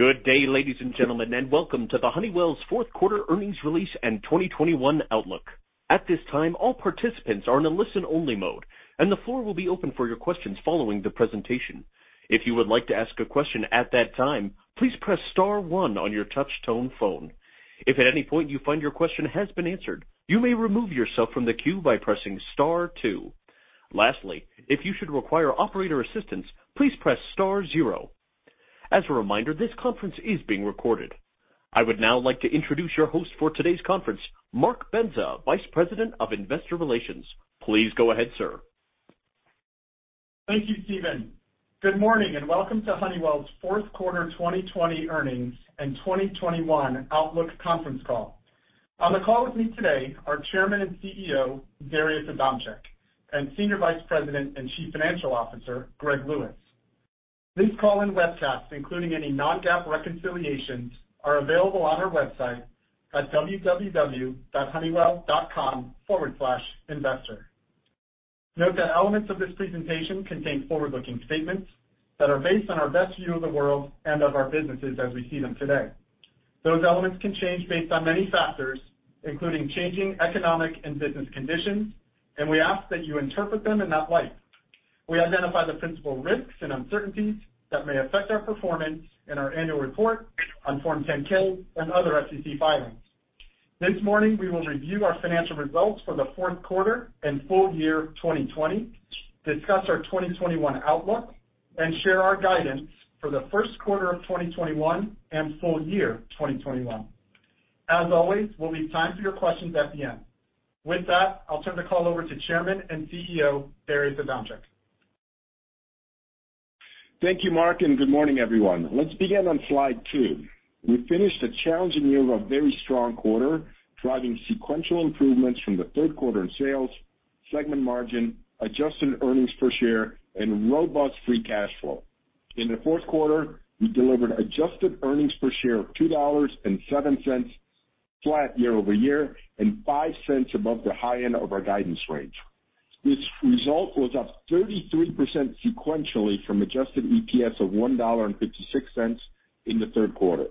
Good day, ladies and gentlemen, welcome to Honeywell's Fourth Quarter Earnings Release and 2021 Outlook. At this time, all participants are in a listen-only mode. The floor will be open for your questions following the presentation. If you would like to ask a question at that time, please press star one on your touch-tone phone. If at any point you find your question has been answered, you may remove yourself from the queue by pressing star two. Lastly, if you should require operator assistance, please press star zero. As a reminder, this conference is being recorded. I would now like to introduce your host for today's conference, Mark Bendza, Vice President of Investor Relations. Please go ahead, sir. Thank you, Steven. Good morning. Welcome to Honeywell's fourth quarter 2020 earnings and 2021 outlook conference call. On the call with me today are Chairman and CEO, Darius Adamczyk, and Senior Vice President and Chief Financial Officer, Greg Lewis. This call and webcast, including any non-GAAP reconciliations, are available on our website at www.honeywell.com/investor. Note that elements of this presentation contain forward-looking statements that are based on our best view of the world and of our businesses as we see them today. Those elements can change based on many factors, including changing economic and business conditions. We ask that you interpret them in that light. We identify the principal risks and uncertainties that may affect our performance in our annual report on Form 10-K and other SEC filings. This morning, we will review our financial results for the fourth quarter and full year 2020, discuss our 2021 outlook, and share our guidance for the first quarter of 2021 and full year 2021. As always, we'll leave time for your questions at the end. With that, I'll turn the call over to Chairman and CEO, Darius Adamczyk. Thank you, Mark, and good morning, everyone. Let's begin on slide two. We finished a challenging year with a very strong quarter, driving sequential improvements from the third quarter in sales, segment margin, adjusted earnings per share, and robust free cash flow. In the fourth quarter, we delivered adjusted earnings per share of $2.07, flat year-over-year, and $0.05 above the high end of our guidance range. This result was up 33% sequentially from adjusted EPS of $1.56 in the third quarter.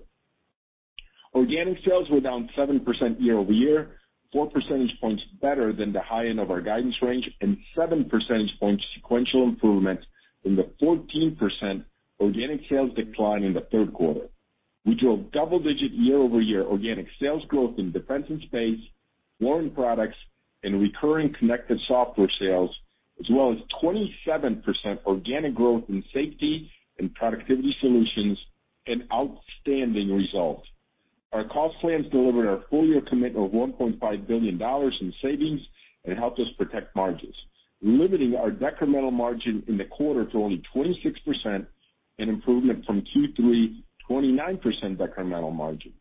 Organic sales were down 7% year-over-year, four percentage points better than the high end of our guidance range, and 7 percentage points sequential improvement in the 14% organic sales decline in the third quarter. We drove double-digit year-over-year organic sales growth in Defense and Space, Worn Products, and recurring Connected Software Sales, as well as 27% organic growth in Safety and Productivity Solutions, an outstanding result. Our cost plans delivered our full-year commitment of $1.5 billion in savings and helped us protect margins, limiting our decremental margin in the quarter to only 26%, an improvement from Q3 29% decremental margin.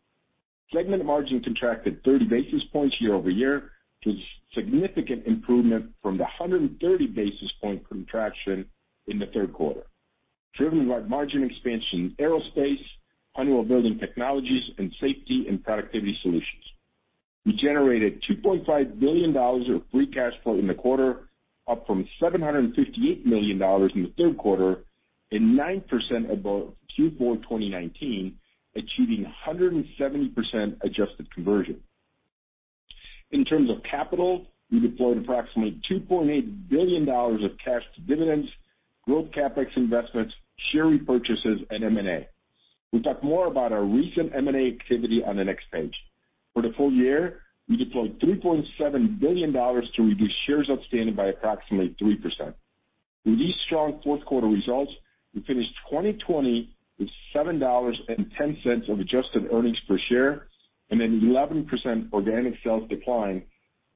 Segment margin contracted 30 basis points year-over-year, which is a significant improvement from the 130 basis point contraction in the third quarter, driven by margin expansion in Aerospace, Honeywell Building Technologies, and Safety and Productivity Solutions. We generated $2.5 billion of free cash flow in the quarter, up from $758 million in the third quarter and 9% above Q4 2019, achieving 170% adjusted conversion. In terms of capital, we deployed approximately $2.8 billion of cash to dividends, growth CapEx investments, share repurchases, and M&A. We talk more about our recent M&A activity on the next page. For the full year, we deployed $3.7 billion to reduce shares outstanding by approximately 3%. With these strong fourth quarter results, we finished 2020 with $7.10 of adjusted earnings per share and an 11% organic sales decline,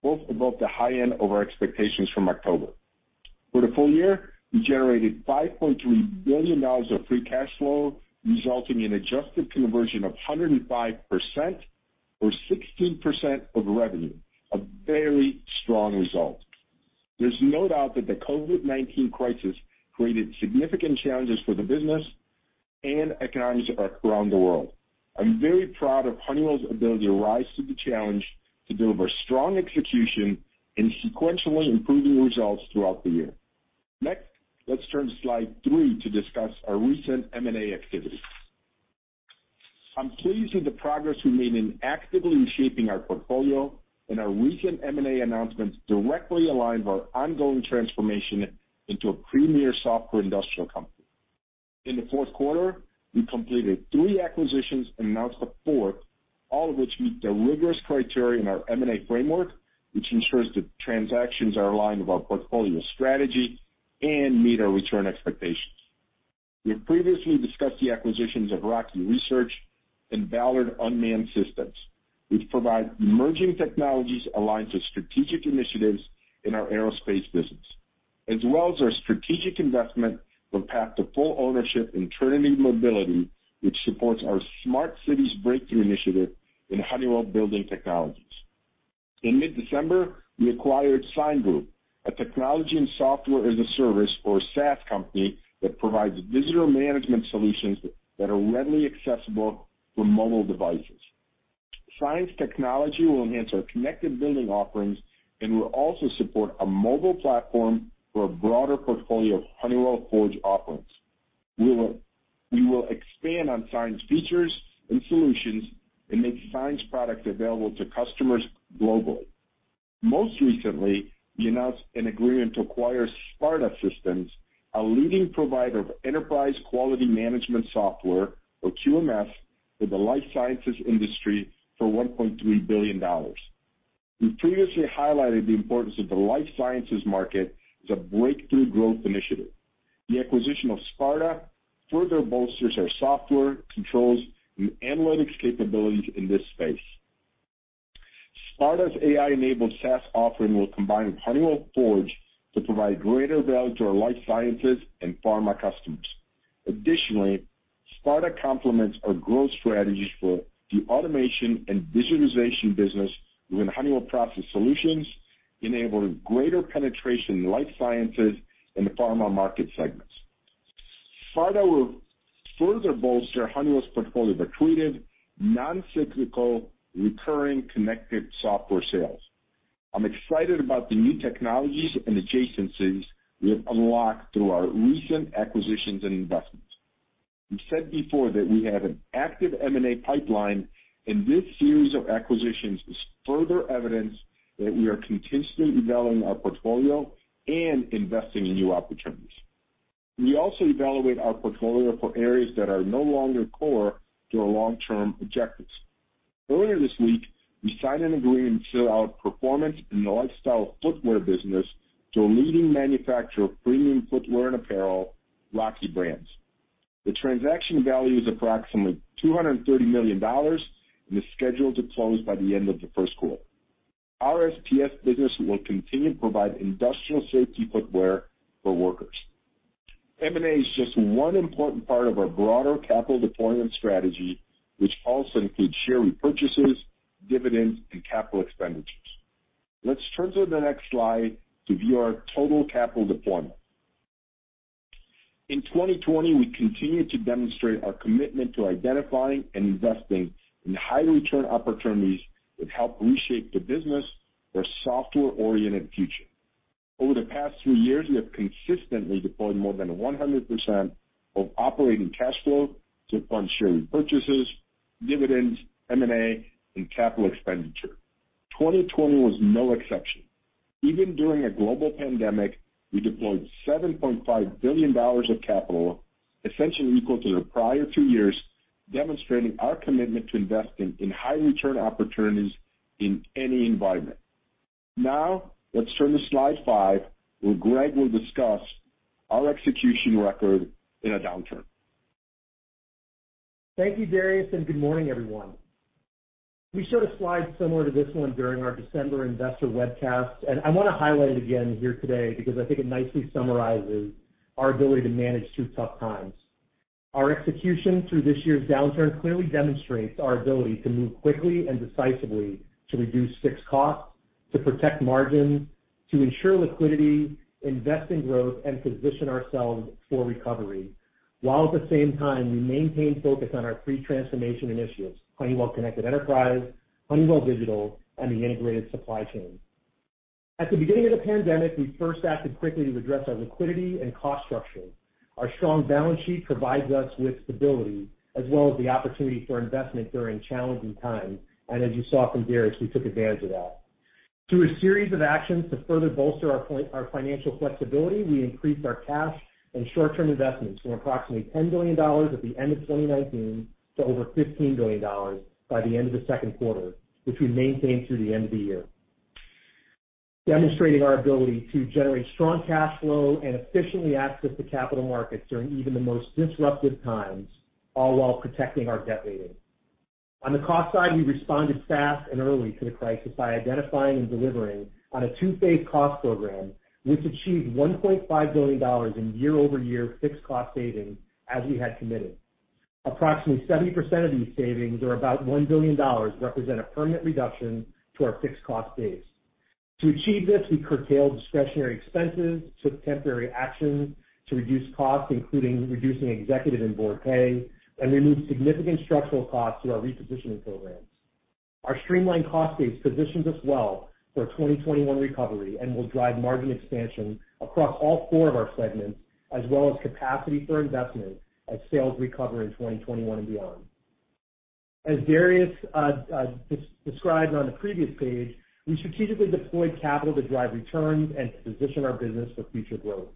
both above the high end of our expectations from October. For the full year, we generated $5.3 billion of free cash flow, resulting in adjusted conversion of 105% or 16% of revenue, a very strong result. There's no doubt that the COVID-19 crisis created significant challenges for the business and economies around the world. I'm very proud of Honeywell's ability to rise to the challenge to deliver strong execution and sequentially improving results throughout the year. Next, let's turn to slide three to discuss our recent M&A activity. I'm pleased with the progress we made in actively shaping our portfolio, and our recent M&A announcements directly align with our ongoing transformation into a premier software industrial company. In the fourth quarter, we completed three acquisitions and announced a fourth, all of which meet the rigorous criteria in our M&A framework, which ensures the transactions are aligned with our portfolio strategy and meet our return expectations. We have previously discussed the acquisitions of Rocky Research and Ballard Unmanned Systems, which provide emerging technologies aligned to strategic initiatives in our Aerospace business, as well as our strategic investment from path to full ownership in Trinity Mobility, which supports our smart cities breakthrough initiative in Honeywell Building Technologies. In mid-December, we acquired Sine Group, a technology and software as a service, or SaaS company, that provides visitor management solutions that are readily accessible from mobile devices. Sine technology will enhance our connected building offerings and will also support a mobile platform for a broader portfolio of Honeywell Forge offerings. We will expand on Sine features and solutions and make Sine products available to customers globally. Most recently, we announced an agreement to acquire Sparta Systems, a leading provider of enterprise quality management software, or QMS, to the life sciences industry for $1.3 billion. We previously highlighted the importance of the life sciences market as a breakthrough growth initiative. The acquisition of Sparta further bolsters our software controls and analytics capabilities in this space. Sparta's AI-enabled SaaS offering will combine with Honeywell Forge to provide greater value to our life sciences and pharma customers. Additionally, Sparta complements our growth strategies for the automation and digitization business within Honeywell Process Solutions, enabling greater penetration in life sciences and the pharma market segments. Sparta will further bolster Honeywell's portfolio of accretive, non-cyclical, recurring connected software sales. I'm excited about the new technologies and adjacencies we have unlocked through our recent acquisitions and investments. We've said before that we have an active M&A pipeline. This series of acquisitions is further evidence that we are continuously evaluating our portfolio and investing in new opportunities. We also evaluate our portfolio for areas that are no longer core to our long-term objectives. Earlier this week, we signed an agreement to sell our performance and the lifestyle footwear business to a leading manufacturer of premium footwear and apparel, Rocky Brands. The transaction value is approximately $230 million and is scheduled to close by the end of the first quarter. Our SPS business will continue to provide industrial safety footwear for workers. M&A is just one important part of our broader capital deployment strategy, which also includes share repurchases, dividends, and capital expenditures. Let's turn to the next slide to view our total capital deployment. In 2020, we continued to demonstrate our commitment to identifying and investing in high return opportunities that help reshape the business for a software-oriented future. Over the past three years, we have consistently deployed more than 100% of operating cash flow to fund share repurchases, dividends, M&A, and capital expenditure. 2020 was no exception. Even during a global pandemic, we deployed $7.5 billion of capital, essentially equal to the prior two years, demonstrating our commitment to investing in high return opportunities in any environment. Let's turn to slide five, where Greg will discuss our execution record in a downturn. Thank you, Darius, and good morning, everyone. We showed a slide similar to this one during our December investor webcast, and I want to highlight it again here today because I think it nicely summarizes our ability to manage through tough times. Our execution through this year's downturn clearly demonstrates our ability to move quickly and decisively to reduce fixed costs, to protect margins, to ensure liquidity, invest in growth, and position ourselves for recovery, while at the same time we maintain focus on our pre-transformation initiatives, Honeywell Connected Enterprise, Honeywell Digital, and the integrated supply chain. At the beginning of the pandemic, we first acted quickly to address our liquidity and cost structure. Our strong balance sheet provides us with stability as well as the opportunity for investment during challenging times. As you saw from Darius, we took advantage of that. Through a series of actions to further bolster our financial flexibility, we increased our cash and short-term investments from approximately $10 billion at the end of 2019 to over $15 billion by the end of the second quarter, which we maintained through the end of the year, demonstrating our ability to generate strong cash flow and efficiently access the capital markets during even the most disruptive times, all while protecting our debt rating. On the cost side, we responded fast and early to the crisis by identifying and delivering on a two-phase cost program, which achieved $1.5 billion in year-over-year fixed cost savings as we had committed. Approximately 70% of these savings, or about $1 billion, represent a permanent reduction to our fixed cost base. To achieve this, we curtailed discretionary expenses, took temporary actions to reduce costs, including reducing executive and board pay, and removed significant structural costs through our repositioning programs. Our streamlined cost base positions us well for 2021 recovery and will drive margin expansion across all four of our segments, as well as capacity for investment as sales recover in 2021 and beyond. As Darius described on the previous page, we strategically deployed capital to drive returns and to position our business for future growth.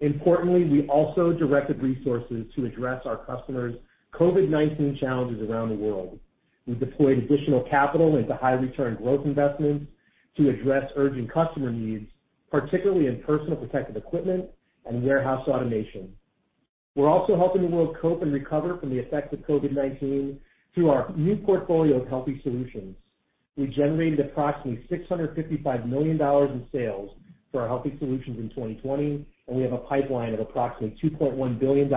Importantly, we also directed resources to address our customers' COVID-19 challenges around the world. We deployed additional capital into high return growth investments to address urgent customer needs, particularly in personal protective equipment and warehouse automation. We are also helping the world cope and recover from the effects of COVID-19 through our new portfolio of healthy solutions. We generated approximately $655 million in sales for our healthy solutions in 2020. We have a pipeline of approximately $2.1 billion,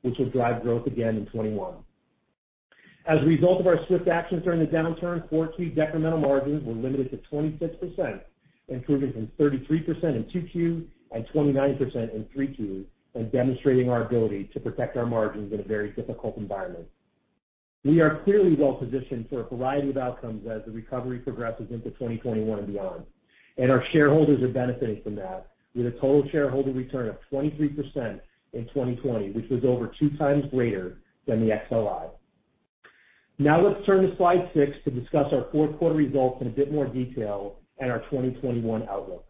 which will drive growth again in 2021. As a result of our swift actions during the downturn, core suite decremental margins were limited to 26%. Improving from 33% in Q2 and 29% in Q3, and demonstrating our ability to protect our margins in a very difficult environment. We are clearly well-positioned for a variety of outcomes as the recovery progresses into 2021 and beyond, and our shareholders are benefiting from that, with a total shareholder return of 23% in 2020, which was over 2x greater than the XLI. Let's turn to slide six to discuss our fourth quarter results in a bit more detail and our 2021 outlook.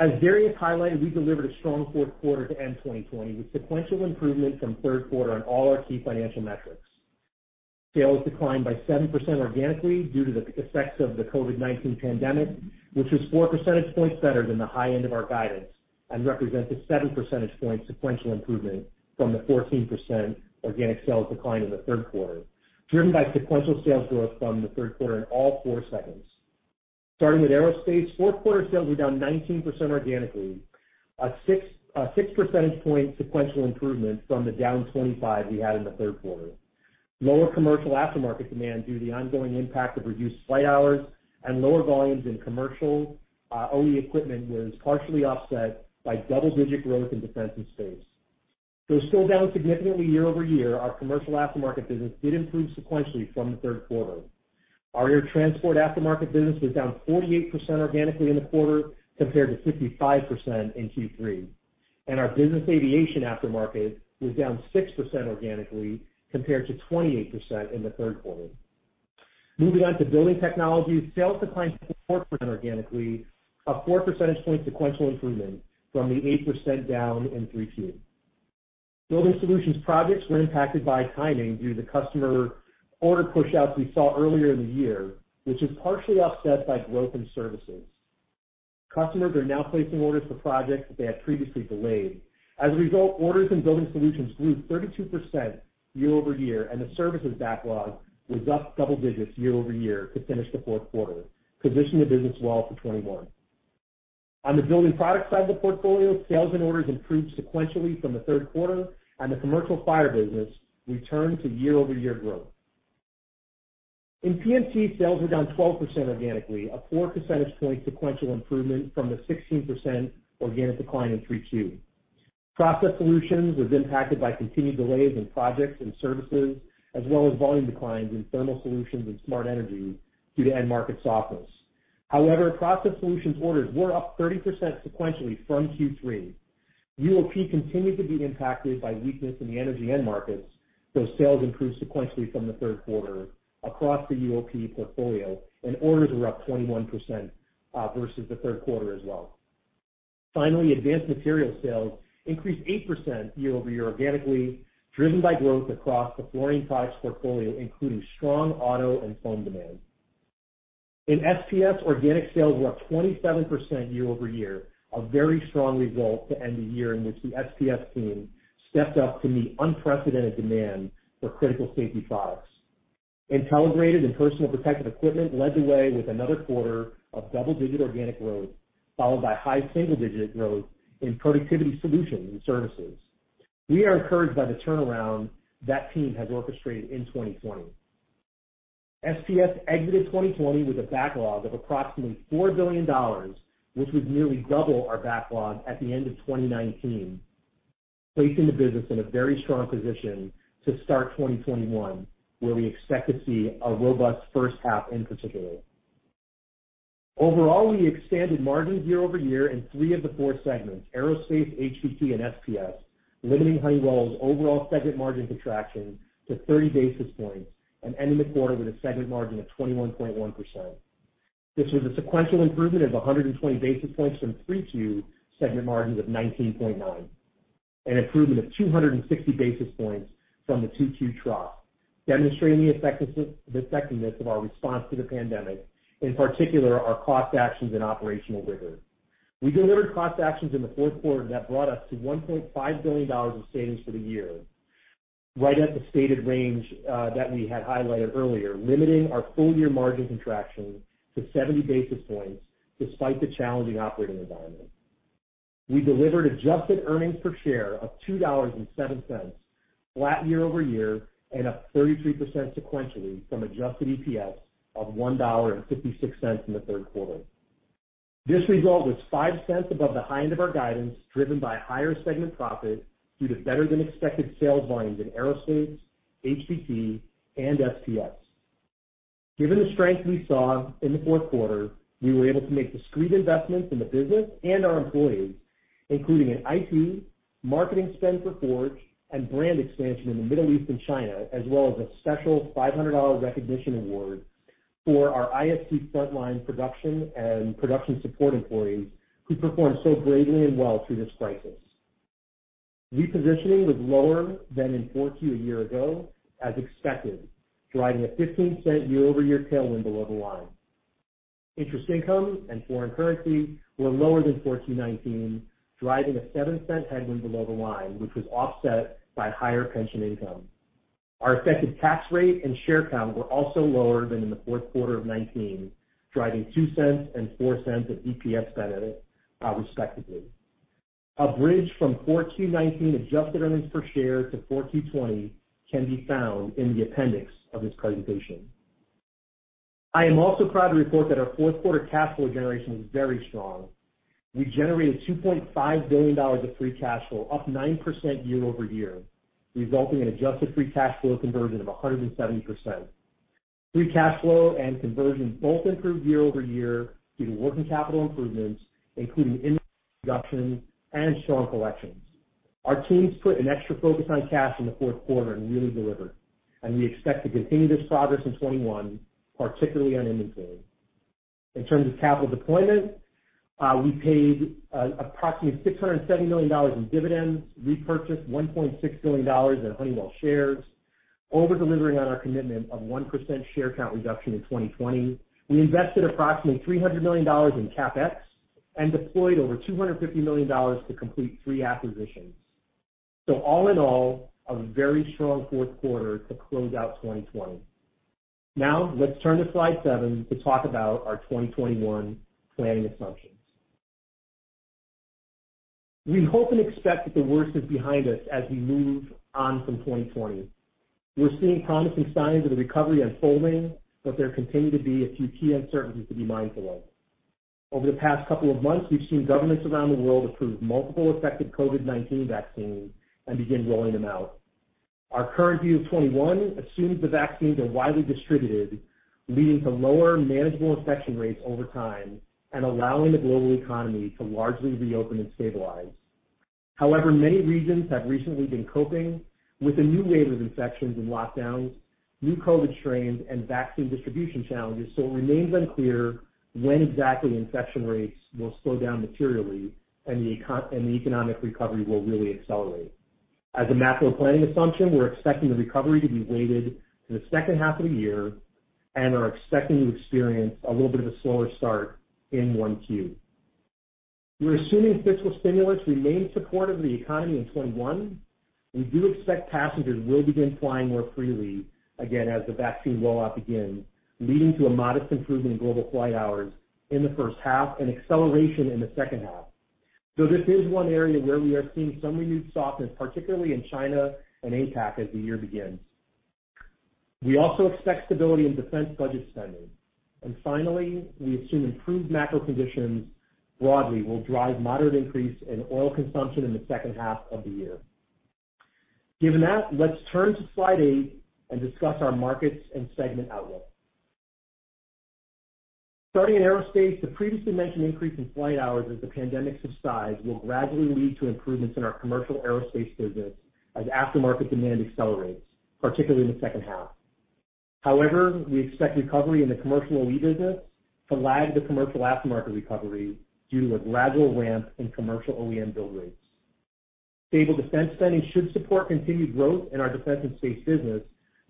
As Darius highlighted, we delivered a strong fourth quarter to end 2020, with sequential improvement from third quarter on all our key financial metrics. Sales declined by 7% organically due to the effects of the COVID-19 pandemic, which was four percentage points better than the high end of our guidance and represents a 7 percentage point sequential improvement from the 14% organic sales decline in the third quarter, driven by sequential sales growth from the third quarter in all four segments. Starting with Aerospace, fourth quarter sales were down 19% organically, a 6 percentage point sequential improvement from the down 25% we had in the third quarter. Lower commercial aftermarket demand due to the ongoing impact of reduced flight hours and lower volumes in commercial OE equipment was partially offset by double-digit growth in defense and space. Though still down significantly year-over-year, our commercial aftermarket business did improve sequentially from the third quarter. Our air transport aftermarket business was down 48% organically in the quarter compared to 55% in Q3, and our business aviation aftermarket was down 6% organically compared to 28% in the third quarter. Moving on to Building Technologies, sales declined 4% organically, a 4 percentage point sequential improvement from the 8% down in Q3. Building Solutions projects were impacted by timing due to customer order pushouts we saw earlier in the year, which was partially offset by growth in services. Customers are now placing orders for projects that they had previously delayed. As a result, orders in Building Solutions grew 32% year-over-year, and the services backlog was up double digits year-over-year to finish the fourth quarter, positioning the business well for 2021. On the building product side of the portfolio, sales and orders improved sequentially from the third quarter. The commercial fire business returned to year-over-year growth. In PMT, sales were down 12% organically, a 4 percentage point sequential improvement from the 16% organic decline in Q3. Process Solutions was impacted by continued delays in projects and services, as well as volume declines in thermal solutions and smart energy due to end markets softness. However, Process Solutions orders were up 30% sequentially from Q3. UOP continued to be impacted by weakness in the energy end markets, though sales improved sequentially from the third quarter across the UOP portfolio. Orders were up 21% versus the third quarter as well. Finally, Advanced Materials sales increased 8% year-over-year organically, driven by growth across the Fluorine Products portfolio, including strong auto and phone demand. In SPS, organic sales were up 27% year-over-year, a very strong result to end the year in which the SPS team stepped up to meet unprecedented demand for critical safety products. Intelligrated and personal protective equipment led the way with another quarter of double-digit organic growth, followed by high single-digit growth in productivity solutions and services. We are encouraged by the turnaround that team has orchestrated in 2020. SPS exited 2020 with a backlog of approximately $4 billion, which was nearly double our backlog at the end of 2019, placing the business in a very strong position to start 2021, where we expect to see a robust first half in particular. Overall, we expanded margins year-over-year in three of the four segments, Aerospace, HBT, and SPS, limiting Honeywell's overall segment margin contraction to 30 basis points and ending the quarter with a segment margin of 21.1%. This was a sequential improvement of 120 basis points from Q3 segment margins of 19.9, an improvement of 260 basis points from the Q2 trough, demonstrating the effectiveness of our response to the pandemic, in particular our cost actions and operational rigor. We delivered cost actions in the fourth quarter that brought us to $1.5 billion of savings for the year, right at the stated range that we had highlighted earlier, limiting our full-year margin contraction to 70 basis points despite the challenging operating environment. We delivered adjusted EPS of $2.07, flat year-over-year and up 33% sequentially from adjusted EPS of $1.56 in the third quarter. This result was $0.05 above the high end of our guidance, driven by higher segment profit due to better than expected sales volumes in Aerospace, HBT, and SPS. Given the strength we saw in the fourth quarter, we were able to make discrete investments in the business and our employees, including in IT, marketing spend for Forge and brand expansion in the Middle East and China, as well as a special $500 recognition award for our ISC frontline production and production support employees who performed so bravely and well through this crisis. Repositioning was lower than in Q4 a year ago, as expected, driving a $0.15 year-over-year tailwind below the line. Interest income and foreign currency were lower than Q4 2019, driving a $0.07 headwind below the line, which was offset by higher pension income. Our effective tax rate and share count were also lower than in the fourth quarter of 2019, driving $0.20 and $0.40 of EPS benefit, respectively. A bridge from Q4 2019 adjusted earnings per share to Q4 2020 can be found in the appendix of this presentation. I am also proud to report that our fourth quarter cash flow generation was very strong. We generated $2.5 billion of free cash flow, up 9% year-over-year, resulting in adjusted free cash flow conversion of 170%. Free cash flow and conversion both improved year-over-year due to working capital improvements, including inventory reduction and strong collections. Our teams put an extra focus on cash in the fourth quarter and really delivered, and we expect to continue this progress in 2021, particularly on inventory. In terms of capital deployment, we paid approximately $670 million in dividends, repurchased $1.6 billion in Honeywell shares, over-delivering on our commitment of 1% share count reduction in 2020. We invested approximately $300 million in CapEx and deployed over $250 million to complete three acquisitions. All in all, a very strong fourth quarter to close out 2020. Now let's turn to slide seven to talk about our 2021 planning assumptions. We hope and expect that the worst is behind us as we move on from 2020. We're seeing promising signs of the recovery unfolding, but there continue to be a few key uncertainties to be mindful of. Over the past couple of months, we've seen governments around the world approve multiple effective COVID-19 vaccines and begin rolling them out. Our current view of 2021 assumes the vaccines are widely distributed, leading to lower manageable infection rates over time and allowing the global economy to largely reopen and stabilize. However, many regions have recently been coping with a new wave of infections and lockdowns, new COVID-19 strains, and vaccine distribution challenges, so it remains unclear when exactly infection rates will slow down materially and the economic recovery will really accelerate. As a macro planning assumption, we're expecting the recovery to be weighted to the second half of the year and are expecting to experience a little bit of a slower start in 1Q. We're assuming fiscal stimulus remains supportive of the economy in 2021. We do expect passengers will begin flying more freely again as the vaccine rollout begins, leading to a modest improvement in global flight hours in the first half and acceleration in the second half. This is one area where we are seeing some renewed softness, particularly in China and APAC as the year begins. We also expect stability in defense budget spending. Finally, we assume improved macro conditions broadly will drive moderate increase in oil consumption in the second half of the year. Given that, let's turn to slide eight and discuss our markets and segment outlook. Starting in Aerospace, the previously mentioned increase in flight hours as the pandemic subsides will gradually lead to improvements in our commercial Aerospace business as aftermarket demand accelerates, particularly in the second half. However, we expect recovery in the commercial OE business to lag the commercial aftermarket recovery due to a gradual ramp in commercial OEM build rates. Stable defense spending should support continued growth in our defense and space business,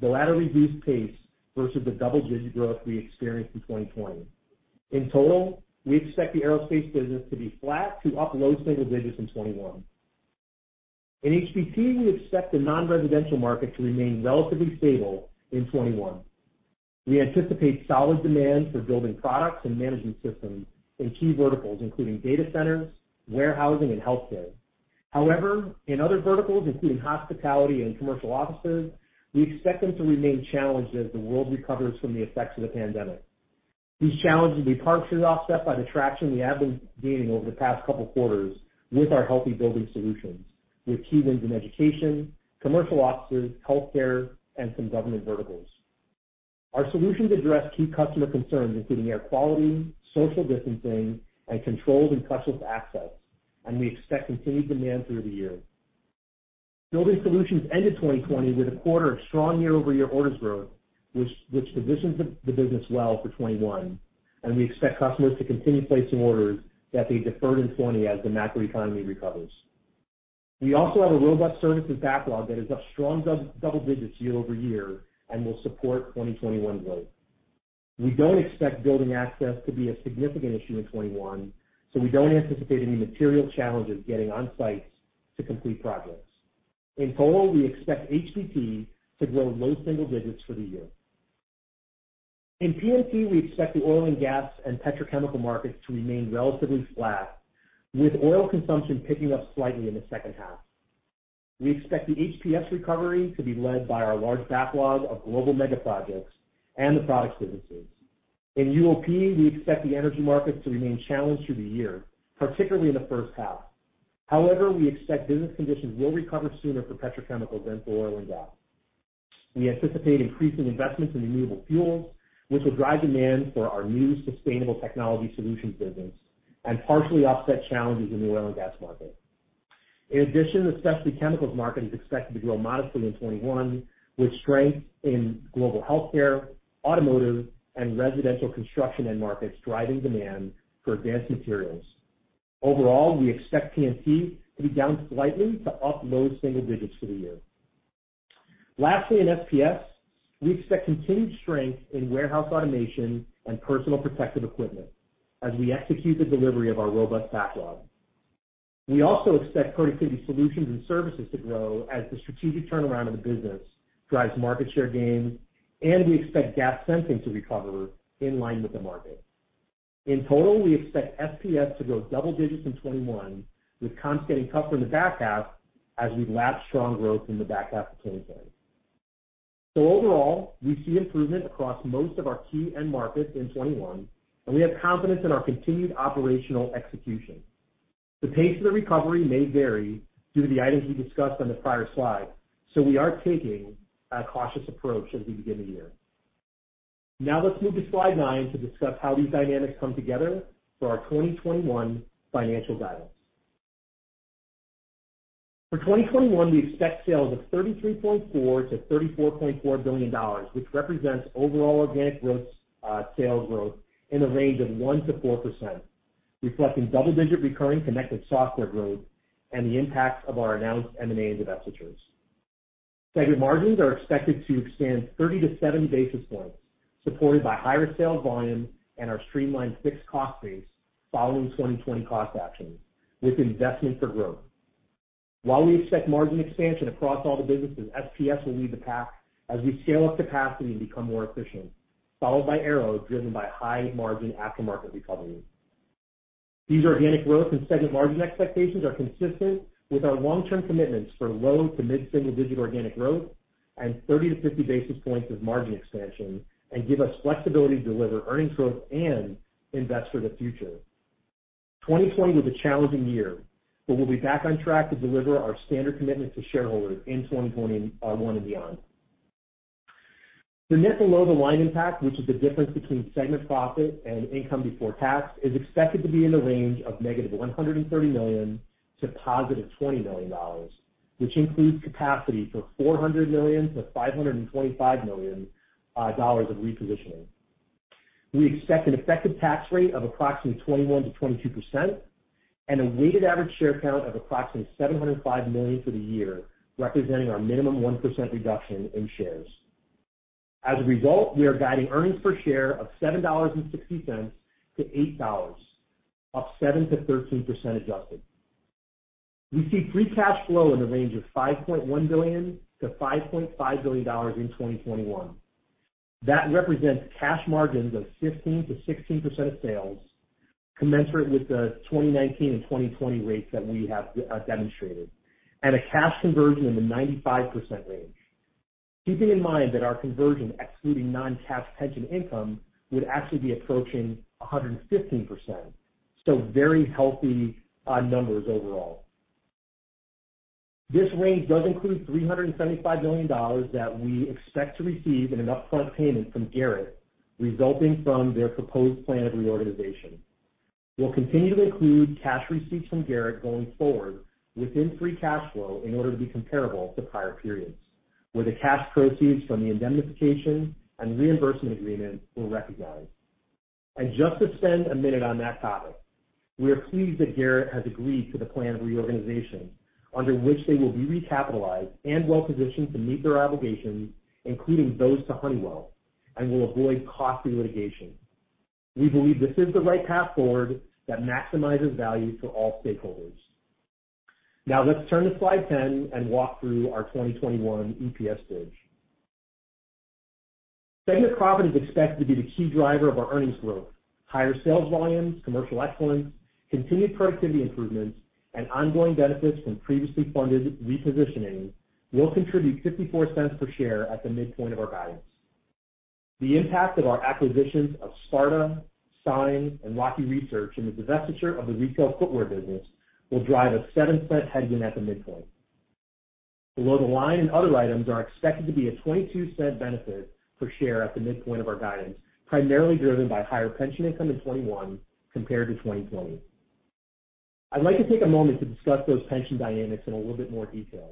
though at a reduced pace versus the double-digit growth we experienced in 2020. In total, we expect the Aerospace business to be flat to up low single digits in 2021. In HBT, we expect the non-residential market to remain relatively stable in 2021. We anticipate solid demand for building products and management systems in key verticals, including data centers, warehousing, and healthcare. In other verticals, including hospitality and commercial offices, we expect them to remain challenged as the world recovers from the effects of the pandemic. These challenges will be partially offset by the traction we have been gaining over the past couple of quarters with our Healthy Building Solutions, with key wins in education, commercial offices, healthcare, and some government verticals. Our solutions address key customer concerns, including air quality, social distancing, and controlled and touchless access, and we expect continued demand through the year. Building Solutions ended 2020 with a quarter of strong year-over-year orders growth, which positions the business well for 2021. We expect customers to continue placing orders that they deferred in 2020 as the macro economy recovers. We also have a robust services backlog that is up strong double digits year-over-year and will support 2021 growth. We don't expect building access to be a significant issue in 2021. We don't anticipate any material challenges getting on sites to complete projects. In total, we expect HBT to grow low single digits for the year. In PMT, we expect the oil and gas and petrochemical markets to remain relatively flat, with oil consumption picking up slightly in the second half. We expect the HPS recovery to be led by our large backlog of global mega projects and the products businesses. In UOP, we expect the energy markets to remain challenged through the year, particularly in the first half. However, we expect business conditions will recover sooner for petrochemicals than for oil and gas. We anticipate increasing investments in renewable fuels, which will drive demand for our new Sustainability Technology Solutions and partially offset challenges in the oil and gas market. In addition, the specialty chemicals market is expected to grow modestly in 2021, with strength in global healthcare, automotive, and residential construction end markets driving demand for advanced materials. Overall, we expect PMT to be down slightly to up low single digits for the year. Lastly, in SPS, we expect continued strength in warehouse automation and personal protective equipment as we execute the delivery of our robust backlog. We also expect productivity solutions and services to grow as the strategic turnaround of the business drives market share gains. We expect gas sensing to recover in line with the market. In total, we expect SPS to grow double digits in 2021, with comps getting tougher in the back half as we lap strong growth in the back half of 2020. Overall, we see improvement across most of our key end markets in 2021, and we have confidence in our continued operational execution. The pace of the recovery may vary due to the items we discussed on the prior slide. We are taking a cautious approach as we begin the year. Let's move to slide nine to discuss how these dynamics come together for our 2021 financial guidance. For 2021, we expect sales of $33.4 billion-$34.4 billion, which represents overall organic sales growth in the range of 1% to 4%, reflecting double-digit recurring connected software growth and the impacts of our announced M&A and divestitures. Segment margins are expected to expand 30-70 basis points, supported by higher sales volume and our streamlined fixed cost base following 2020 cost actions with investments for growth. While we expect margin expansion across all the businesses, SPS will lead the pack as we scale up capacity and become more efficient, followed by Aero, driven by high-margin aftermarket recovery. These organic growth and segment margin expectations are consistent with our long-term commitments for low- to mid-single-digit organic growth and 30-50 basis points of margin expansion and give us flexibility to deliver earnings growth and invest for the future. 2020 was a challenging year. We'll be back on track to deliver our standard commitment to shareholders in 2021 and beyond. The net below-the-line impact, which is the difference between segment profit and income before tax, is expected to be in the range of $-130 million-$+20 million, which includes capacity for $400 million-$525 million of repositioning. We expect an effective tax rate of approximately 21%-22% and a weighted average share count of approximately 705 million for the year, representing our minimum 1% reduction in shares. As a result, we are guiding earnings per share of $7.60-$8, up 7%-13% adjusted. We see free cash flow in the range of $5.1 billion-$5.5 billion in 2021. That represents cash margins of 15%-16% of sales commensurate with the 2019 and 2020 rates that we have demonstrated, and a cash conversion in the 95% range. Keeping in mind that our conversion excluding non-cash pension income would actually be approaching 115%. Very healthy numbers overall. This range does include $375 million that we expect to receive in an upfront payment from Garrett, resulting from their proposed plan of reorganization. We'll continue to include cash receipts from Garrett going forward within free cash flow in order to be comparable to prior periods, where the cash proceeds from the indemnification and reimbursement agreement were recognized. Just to spend a minute on that topic, we are pleased that Garrett has agreed to the plan of reorganization under which they will be recapitalized and well-positioned to meet their obligations, including those to Honeywell, and will avoid costly litigation. We believe this is the right path forward that maximizes value for all stakeholders. Let's turn to slide 10 and walk through our 2021 EPS bridge. Segment profit is expected to be the key driver of our earnings growth. Higher sales volumes, commercial excellence, continued productivity improvements, and ongoing benefits from previously funded repositioning will contribute $0.54 per share at the midpoint of our guidance. The impact of our acquisitions of Sparta, Sine, and Rocky Research and the divestiture of the retail footwear business will drive a $0.07 headwind at the midpoint. Below the line and other items are expected to be a $0.22 benefit per share at the midpoint of our guidance, primarily driven by higher pension income in 2021 compared to 2020. I'd like to take a moment to discuss those pension dynamics in a little bit more detail.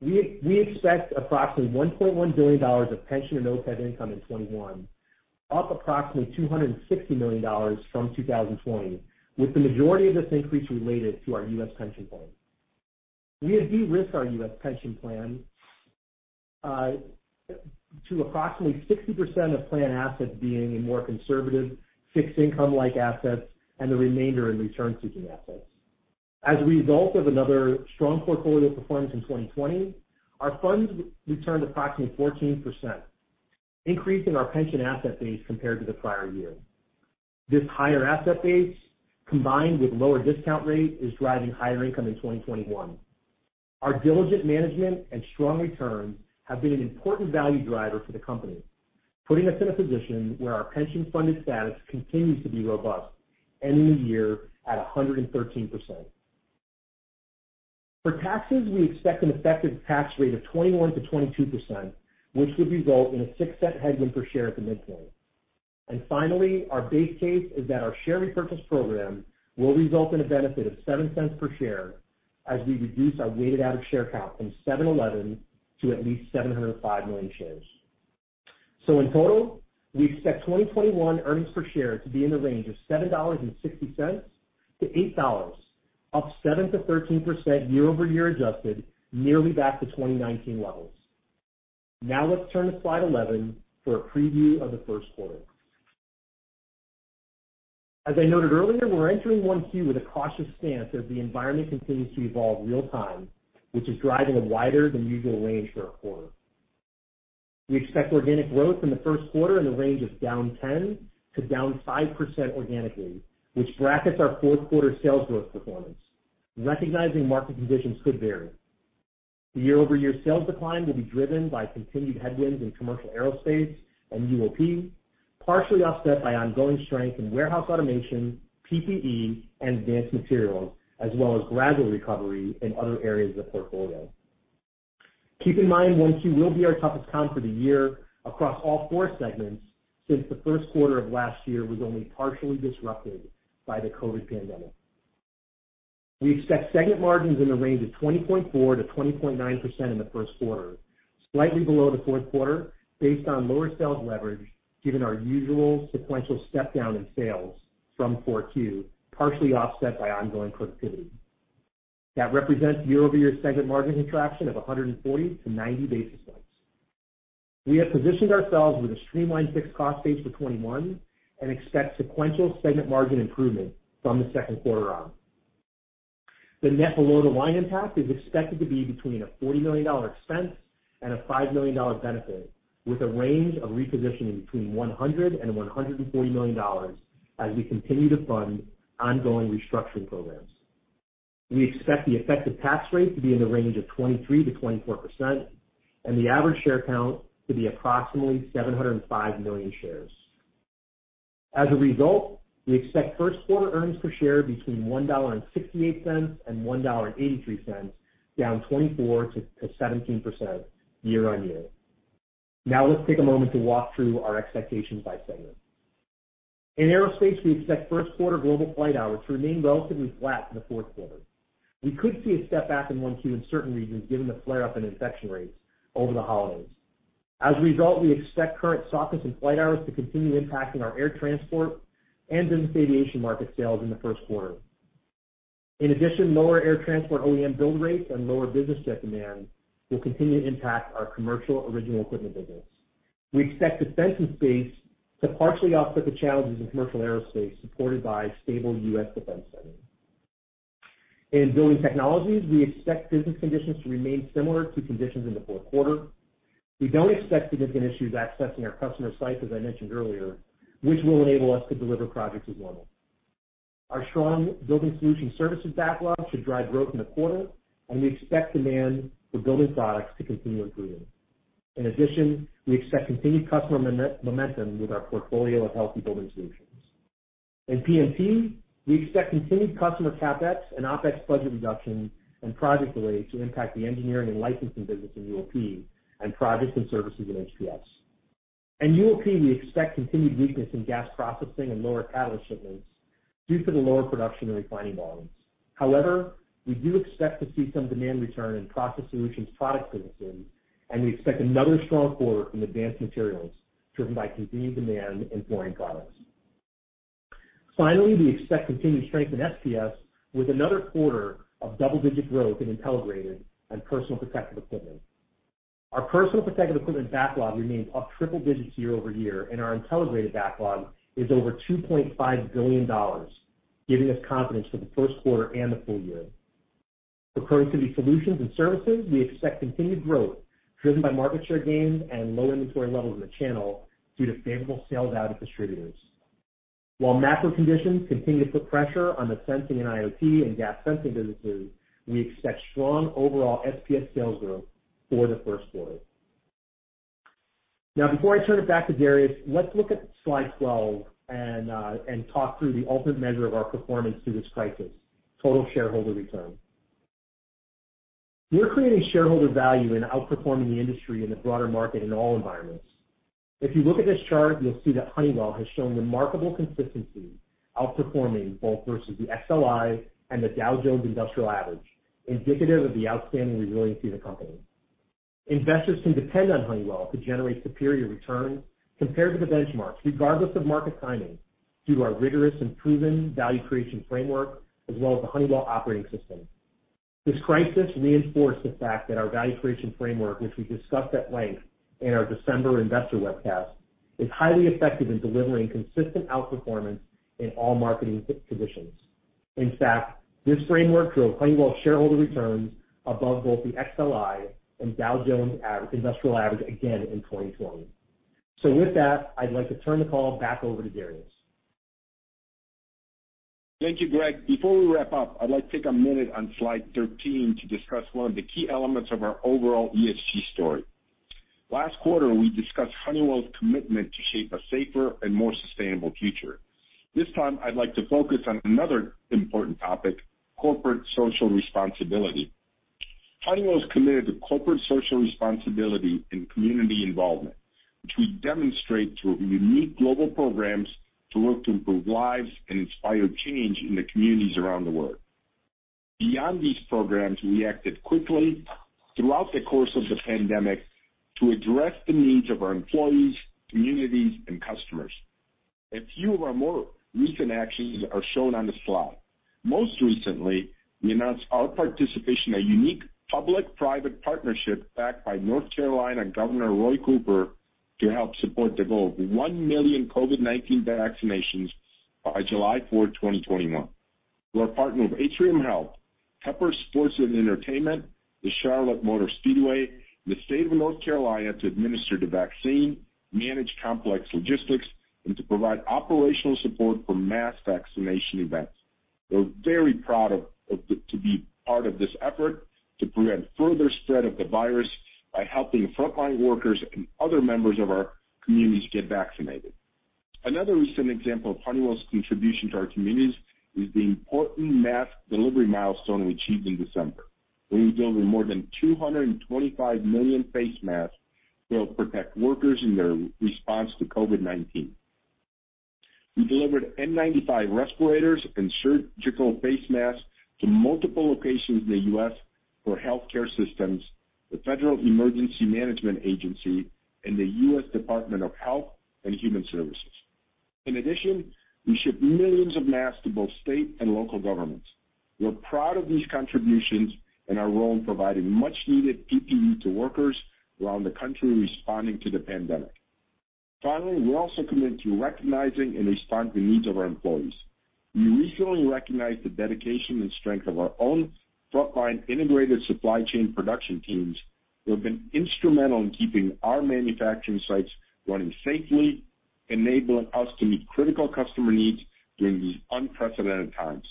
We expect approximately $1.1 billion of pension and OPEB income in 2021, up approximately $260 million from 2020, with the majority of this increase related to our U.S. pension plan. We have de-risked our U.S. pension plan to approximately 60% of plan assets being in more conservative, fixed income-like assets and the remainder in return-seeking assets. As a result of another strong portfolio performance in 2020, our funds returned approximately 14%, increasing our pension asset base compared to the prior year. This higher asset base, combined with lower discount rate, is driving higher income in 2021. Our diligent management and strong returns have been an important value driver for the company, putting us in a position where our pension-funded status continues to be robust, ending the year at 113%. For taxes, we expect an effective tax rate of 21%-22%, which would result in a $0.06 headwind per share at the midpoint. Finally, our base case is that our share repurchase program will result in a benefit of $0.07 per share as we reduce our weighted average share count from 711 million to at least 705 million shares. In total, we expect 2021 earnings per share to be in the range of $7.60-$8, up 7%-13% year-over-year adjusted, nearly back to 2019 levels. Let's turn to slide 11 for a preview of the first quarter. As I noted earlier, we're entering 1Q with a cautious stance as the environment continues to evolve real time, which is driving a wider than usual range for our quarter. We expect organic growth in the first quarter in the range of down 10%-5% organically, which brackets our fourth quarter sales growth performance, recognizing market conditions could vary. The year-over-year sales decline will be driven by continued headwinds in commercial aerospace and UOP, partially offset by ongoing strength in warehouse automation, PPE, and advanced materials, as well as gradual recovery in other areas of the portfolio. Keep in mind, 1Q will be our toughest comp for the year across all four segments, since the first quarter of last year was only partially disrupted by the COVID pandemic. We expect segment margins in the range of 20.4%-20.9% in the first quarter, slightly below the fourth quarter, based on lower sales leverage, given our usual sequential step down in sales from 4Q, partially offset by ongoing productivity. That represents year-over-year segment margin contraction of 140-90 basis points. We have positioned ourselves with a streamlined fixed cost base for 2021 and expect sequential segment margin improvement from the second quarter on. The net below-the-line impact is expected to be between a $40 million expense and a $5 million benefit, with a range of repositioning between $100 million and $140 million as we continue to fund ongoing restructuring programs. We expect the effective tax rate to be in the range of 23%-24%, and the average share count to be approximately 705 million shares. As a result, we expect first quarter earnings per share between $1.68 and $1.83, down 24%-17% year-on-year. Let's take a moment to walk through our expectations by segment. In Aerospace, we expect first quarter global flight hours to remain relatively flat in the fourth quarter. We could see a step back in 1Q in certain regions given the flare up in infection rates over the holidays. As a result, we expect current softness in flight hours to continue impacting our air transport and defense aviation market sales in the first quarter. In addition, lower air transport OEM build rates and lower business jet demand will continue to impact our commercial original equipment business. We expect Defensive and Space to partially offset the challenges in commercial aerospace, supported by stable U.S. defense spending. In Building Technologies, we expect business conditions to remain similar to conditions in the fourth quarter. We don't expect significant issues accessing our customer sites, as I mentioned earlier, which will enable us to deliver projects as normal. Our strong building solution services backlog should drive growth in the quarter, and we expect demand for building products to continue improving. In addition, we expect continued customer momentum with our portfolio of healthy building solutions. In PMT, we expect continued customer CapEx and OpEx budget reductions and project delays to impact the engineering and licensing business in UOP and products and services in SPS. In UOP, we expect continued weakness in gas processing and lower catalyst shipments due to the lower production and refining volumes. However, we do expect to see some demand return in process solutions product services, and we expect another strong quarter from advanced materials driven by continued demand in Fluorine Products. Finally, we expect continued strength in SPS with another quarter of double-digit growth in Intelligrated and personal protective equipment. Our personal protective equipment backlog remains up triple digits year-over-year, and our Intelligrated backlog is over $2.5 billion, giving us confidence for the first quarter and the full year. For productivity solutions and services, we expect continued growth driven by market share gains and low inventory levels in the channel due to favorable sales out of distributors. While macro conditions continue to put pressure on the sensing and IoT and gas sensing businesses, we expect strong overall SPS sales growth for the first quarter. Now, before I turn it back to Darius, let's look at slide 12 and talk through the ultimate measure of our performance through this crisis, total shareholder return. We're creating shareholder value and outperforming the industry in the broader market in all environments. If you look at this chart, you'll see that Honeywell has shown remarkable consistency, outperforming both versus the XLI and the Dow Jones Industrial Average, indicative of the outstanding resiliency of the company. Investors can depend on Honeywell to generate superior return compared to the benchmarks, regardless of market timing, due to our rigorous and proven value creation framework as well as the Honeywell Operating System. This crisis reinforced the fact that our value creation framework, which we discussed at length in our December Investor Webcast, is highly effective in delivering consistent outperformance in all market conditions. In fact, this framework drove Honeywell shareholder returns above both the XLI and Dow Jones Industrial Average again in 2020. With that, I'd like to turn the call back over to Darius. Thank you, Greg. Before we wrap up, I'd like to take a minute on slide 13 to discuss one of the key elements of our overall ESG story. Last quarter, we discussed Honeywell's commitment to shape a safer and more sustainable future. This time, I'd like to focus on another important topic, corporate social responsibility. Honeywell is committed to corporate social responsibility and community involvement, which we demonstrate through unique global programs to work to improve lives and inspire change in the communities around the world. Beyond these programs, we acted quickly throughout the course of the pandemic to address the needs of our employees, communities, and customers. A few of our more recent actions are shown on the slide. Most recently, we announced our participation in a unique public-private partnership backed by North Carolina Governor Roy Cooper to help support the goal of 1 million COVID-19 vaccinations by July 4, 2021. We are partnered with Atrium Health, Tepper Sports & Entertainment, the Charlotte Motor Speedway, and the state of North Carolina to administer the vaccine, manage complex logistics, and to provide operational support for mass vaccination events. We're very proud to be part of this effort to prevent further spread of the virus by helping frontline workers and other members of our communities get vaccinated. Another recent example of Honeywell's contribution to our communities is the important mask delivery milestone we achieved in December. We delivered more than 225 million face masks that will protect workers in their response to COVID-19. We delivered N95 respirators and surgical face masks to multiple locations in the U.S. for healthcare systems, the Federal Emergency Management Agency, and the U.S. Department of Health and Human Services. We shipped millions of masks to both state and local governments. We're proud of these contributions and our role in providing much-needed PPE to workers around the country responding to the pandemic. We're also committed to recognizing and responding to the needs of our employees. We recently recognized the dedication and strength of our own frontline integrated supply chain production teams, who have been instrumental in keeping our manufacturing sites running safely, enabling us to meet critical customer needs during these unprecedented times.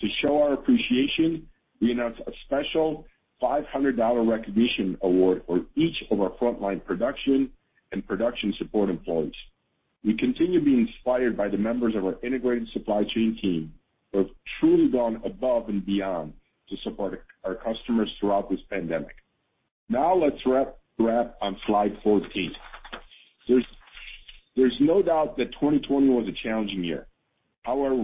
To show our appreciation, we announced a special $500 recognition award for each of our frontline production and production support employees. We continue to be inspired by the members of our integrated supply chain team, who have truly gone above and beyond to support our customers throughout this pandemic. Let's wrap on slide 14. There's no doubt that 2020 was a challenging year.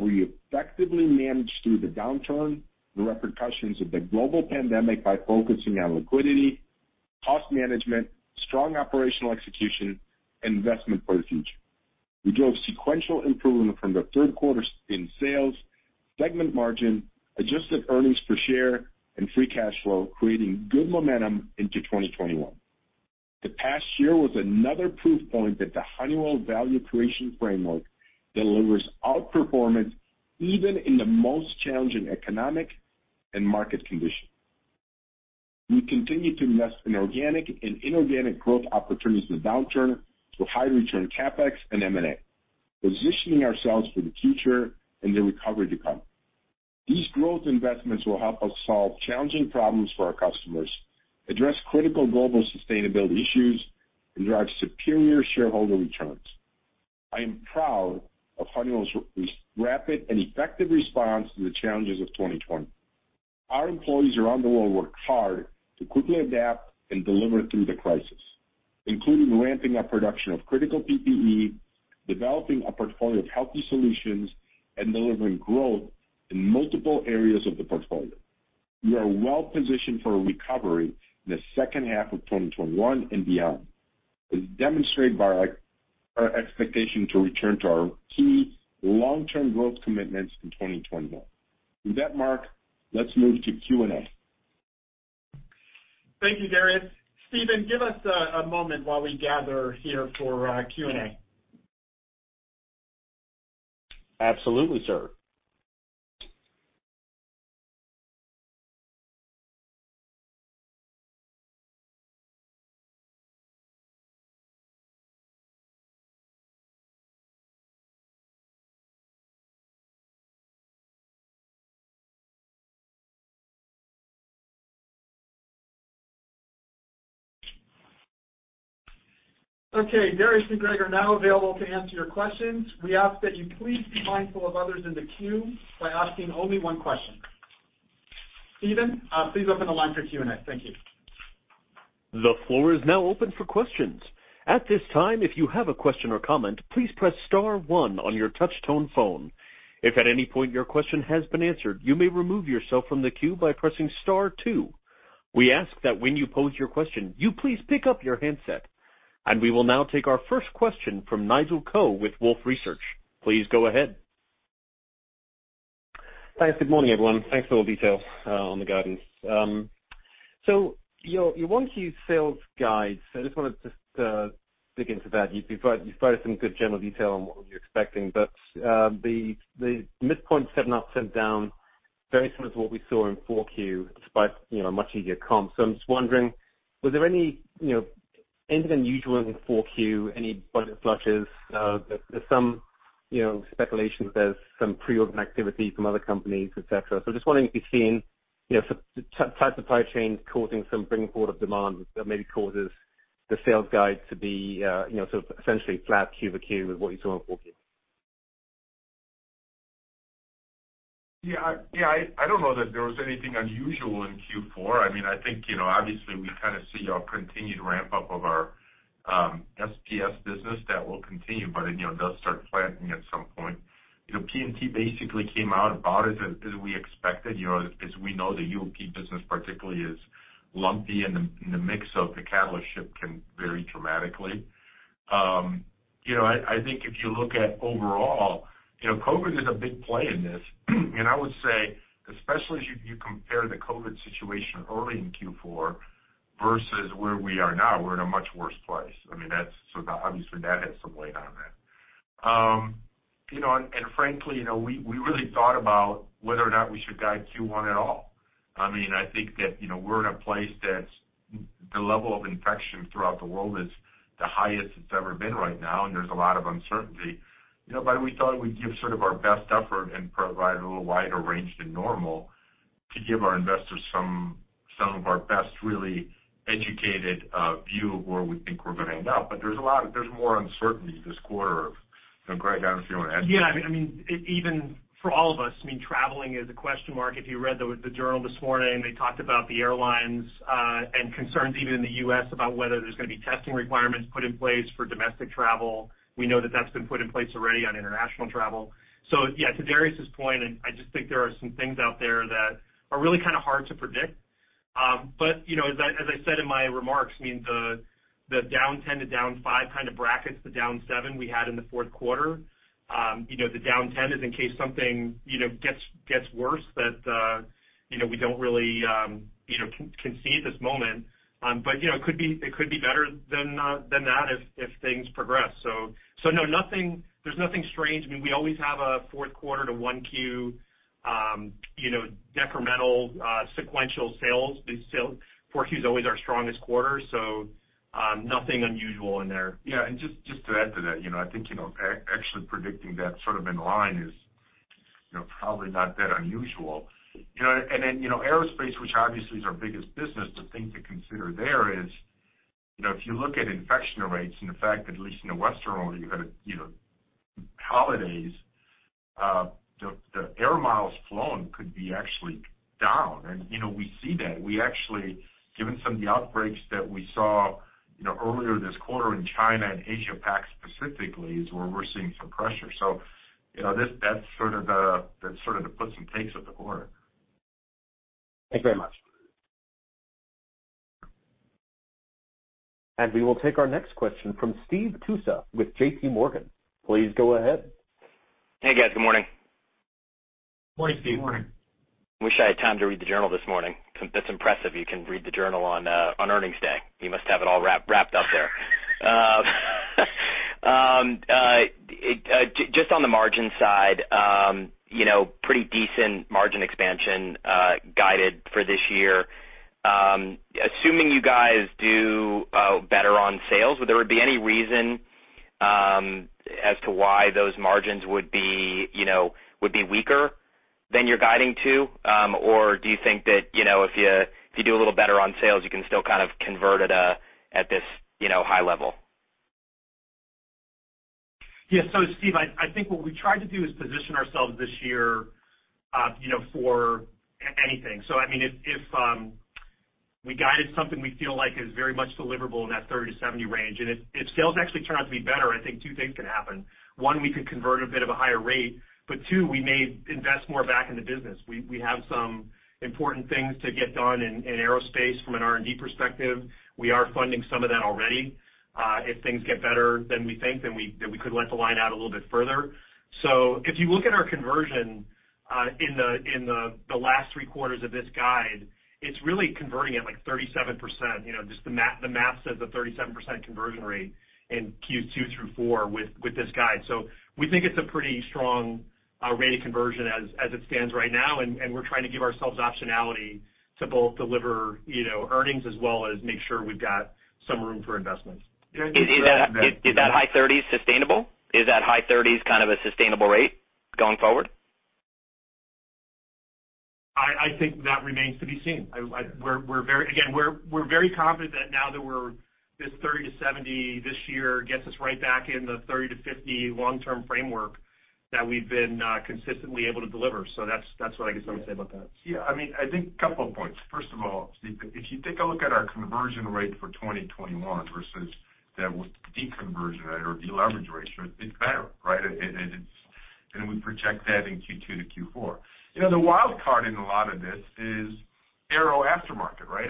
We effectively managed through the downturn, the repercussions of the global pandemic by focusing on liquidity, cost management, strong operational execution, and investment for the future. We drove sequential improvement from the third quarter in sales, segment margin, adjusted earnings per share, and free cash flow, creating good momentum into 2021. The past year was another proof point that the Honeywell value creation framework delivers outperformance even in the most challenging economic and market conditions. We continue to invest in organic and inorganic growth opportunities in the downturn through high return CapEx and M&A, positioning ourselves for the future and the recovery to come. These growth investments will help us solve challenging problems for our customers, address critical global sustainability issues, and drive superior shareholder returns. I am proud of Honeywell's rapid and effective response to the challenges of 2020. Our employees around the world worked hard to quickly adapt and deliver through the crisis, including ramping up production of critical PPE, developing a portfolio of healthy solutions, and delivering growth in multiple areas of the portfolio. We are well positioned for a recovery in the second half of 2021 and beyond, as demonstrated by our expectation to return to our key long-term growth commitments in 2021. With that, Mark, let's move to Q&A. Thank you, Darius. Steven, give us a moment while we gather here for Q&A. Absolutely, sir. Okay. Darius and Greg are now available to answer your questions. We ask that you please be mindful of others in the queue by asking only one question. Steven, please open the line for Q&A. Thank you. The floor is now open for questions. At this time, if you have a question or comment, please press star one on your touch-tone phone. If at any point your question has been answered, you may remove yourself from the queue by pressing star two. We ask that when you pose your question, you please pick up your handset. We will now take our first question from Nigel Coe with Wolfe Research. Please go ahead. Thanks. Good morning, everyone. Thanks for all the details on the guidance. Your 1Q sales guide, so I just wanted to dig into that. You provided some good general detail on what you're expecting, the midpoint 7% up, 7% down, very similar to what we saw in 4Q despite much easier comps. I'm just wondering, was there anything unusual in 4Q, any budget flushes? There's some speculation that there's some pre-order activity from other companies, et cetera. I'm just wondering if you're seeing tight supply chain causing some bring forward of demand that maybe causes the sales guide to be sort of essentially flat Q-over-Q with what you saw in 4Q. Yeah. I don't know that there was anything unusual in Q4. I think, obviously, we kind of see a continued ramp-up of our SPS business. That will continue, but it does start flattening at some point. PMT basically came out about as we expected. As we know, the UOP business particularly is lumpy, and the mix of the catalyst ship can vary dramatically. I think if you look at overall, COVID-19 is a big play in this. I would say, especially as you compare the COVID-19 situation early in Q4 versus where we are now, we're in a much worse place. Obviously that has some weight on that. Frankly, we really thought about whether or not we should guide Q1 at all. I think that we're in a place that the level of infection throughout the world is the highest it's ever been right now, and there's a lot of uncertainty. We thought we'd give sort of our best effort and provide a little wider range than normal to give our investors some of our best, really educated view of where we think we're going to end up. There's more uncertainty this quarter. Greg, I don't know if you want to add to that. Yeah. Even for all of us, traveling is a question mark. If you read The Journal this morning, they talked about the airlines, and concerns even in the U.S., about whether there's going to be testing requirements put in place for domestic travel. We know that that's been put in place already on international travel. Yeah, to Darius' point, I just think there are some things out there that are really kind of hard to predict. As I said in my remarks, the down 10-5 kind of brackets, the down seven we had in the fourth quarter. The down 10 is in case something gets worse that we don't really concede at this moment. It could be better than that if things progress. No, there's nothing strange. We always have a fourth quarter to 1Q, decremental sequential sales. Fourth Q is always our strongest quarter, so nothing unusual in there. Yeah, just to add to that, I think actually predicting that sort of in line is probably not that unusual. Then Aerospace, which obviously is our biggest business, the thing to consider there is, if you look at infection rates and the fact that at least in the Western world, you had holidays, the air miles flown could be actually down. We see that. Given some of the outbreaks that we saw earlier this quarter in China and Asia-Pac specifically is where we're seeing some pressure. That's sort of the puts and takes of the quarter. Thank you very much. We will take our next question from Steve Tusa with JPMorgan. Please go ahead. Hey, guys. Good morning. Morning, Steve. Morning. I wish I had time to read The Journal this morning. That's impressive you can read The Journal on earnings day. You must have it all wrapped up there. Just on the margin side, pretty decent margin expansion guided for this year. Assuming you guys do better on sales, would there be any reason as to why those margins would be weaker than you're guiding to? Do you think that if you do a little better on sales, you can still kind of convert it at this high level? Yeah. Steve, I think what we tried to do is position ourselves this year for anything. If we guided something we feel like is very much deliverable in that 30-70 range, and if sales actually turn out to be better, I think two things can happen. One, we could convert a bit of a higher rate. Two, we may invest more back in the business. We have some important things to get done in aerospace from an R&D perspective. We are funding some of that already. If things get better than we think, we could let the line out a little bit further. If you look at our conversion in the last three quarters of this guide, it's really converting at, like, 37%. Just the math says a 37% conversion rate in Q2 through four with this guide. We think it's a pretty strong rate of conversion as it stands right now, and we're trying to give ourselves optionality to both deliver earnings as well as make sure we've got some room for investments. Is that high 30s sustainable? Is that high 30s kind of a sustainable rate going forward? I think that remains to be seen. Again, we're very confident that now that this 30-70 this year gets us right back in the 30-50 long-term framework that we've been consistently able to deliver. That's what I guess I would say about that. I think a couple of points. First of all, Steve, if you take a look at our conversion rate for 2021 versus the deconversion rate or de-leverage rate, it's better, right? We project that in Q2 to Q4. The wild card in a lot of this is Aero aftermarket, right?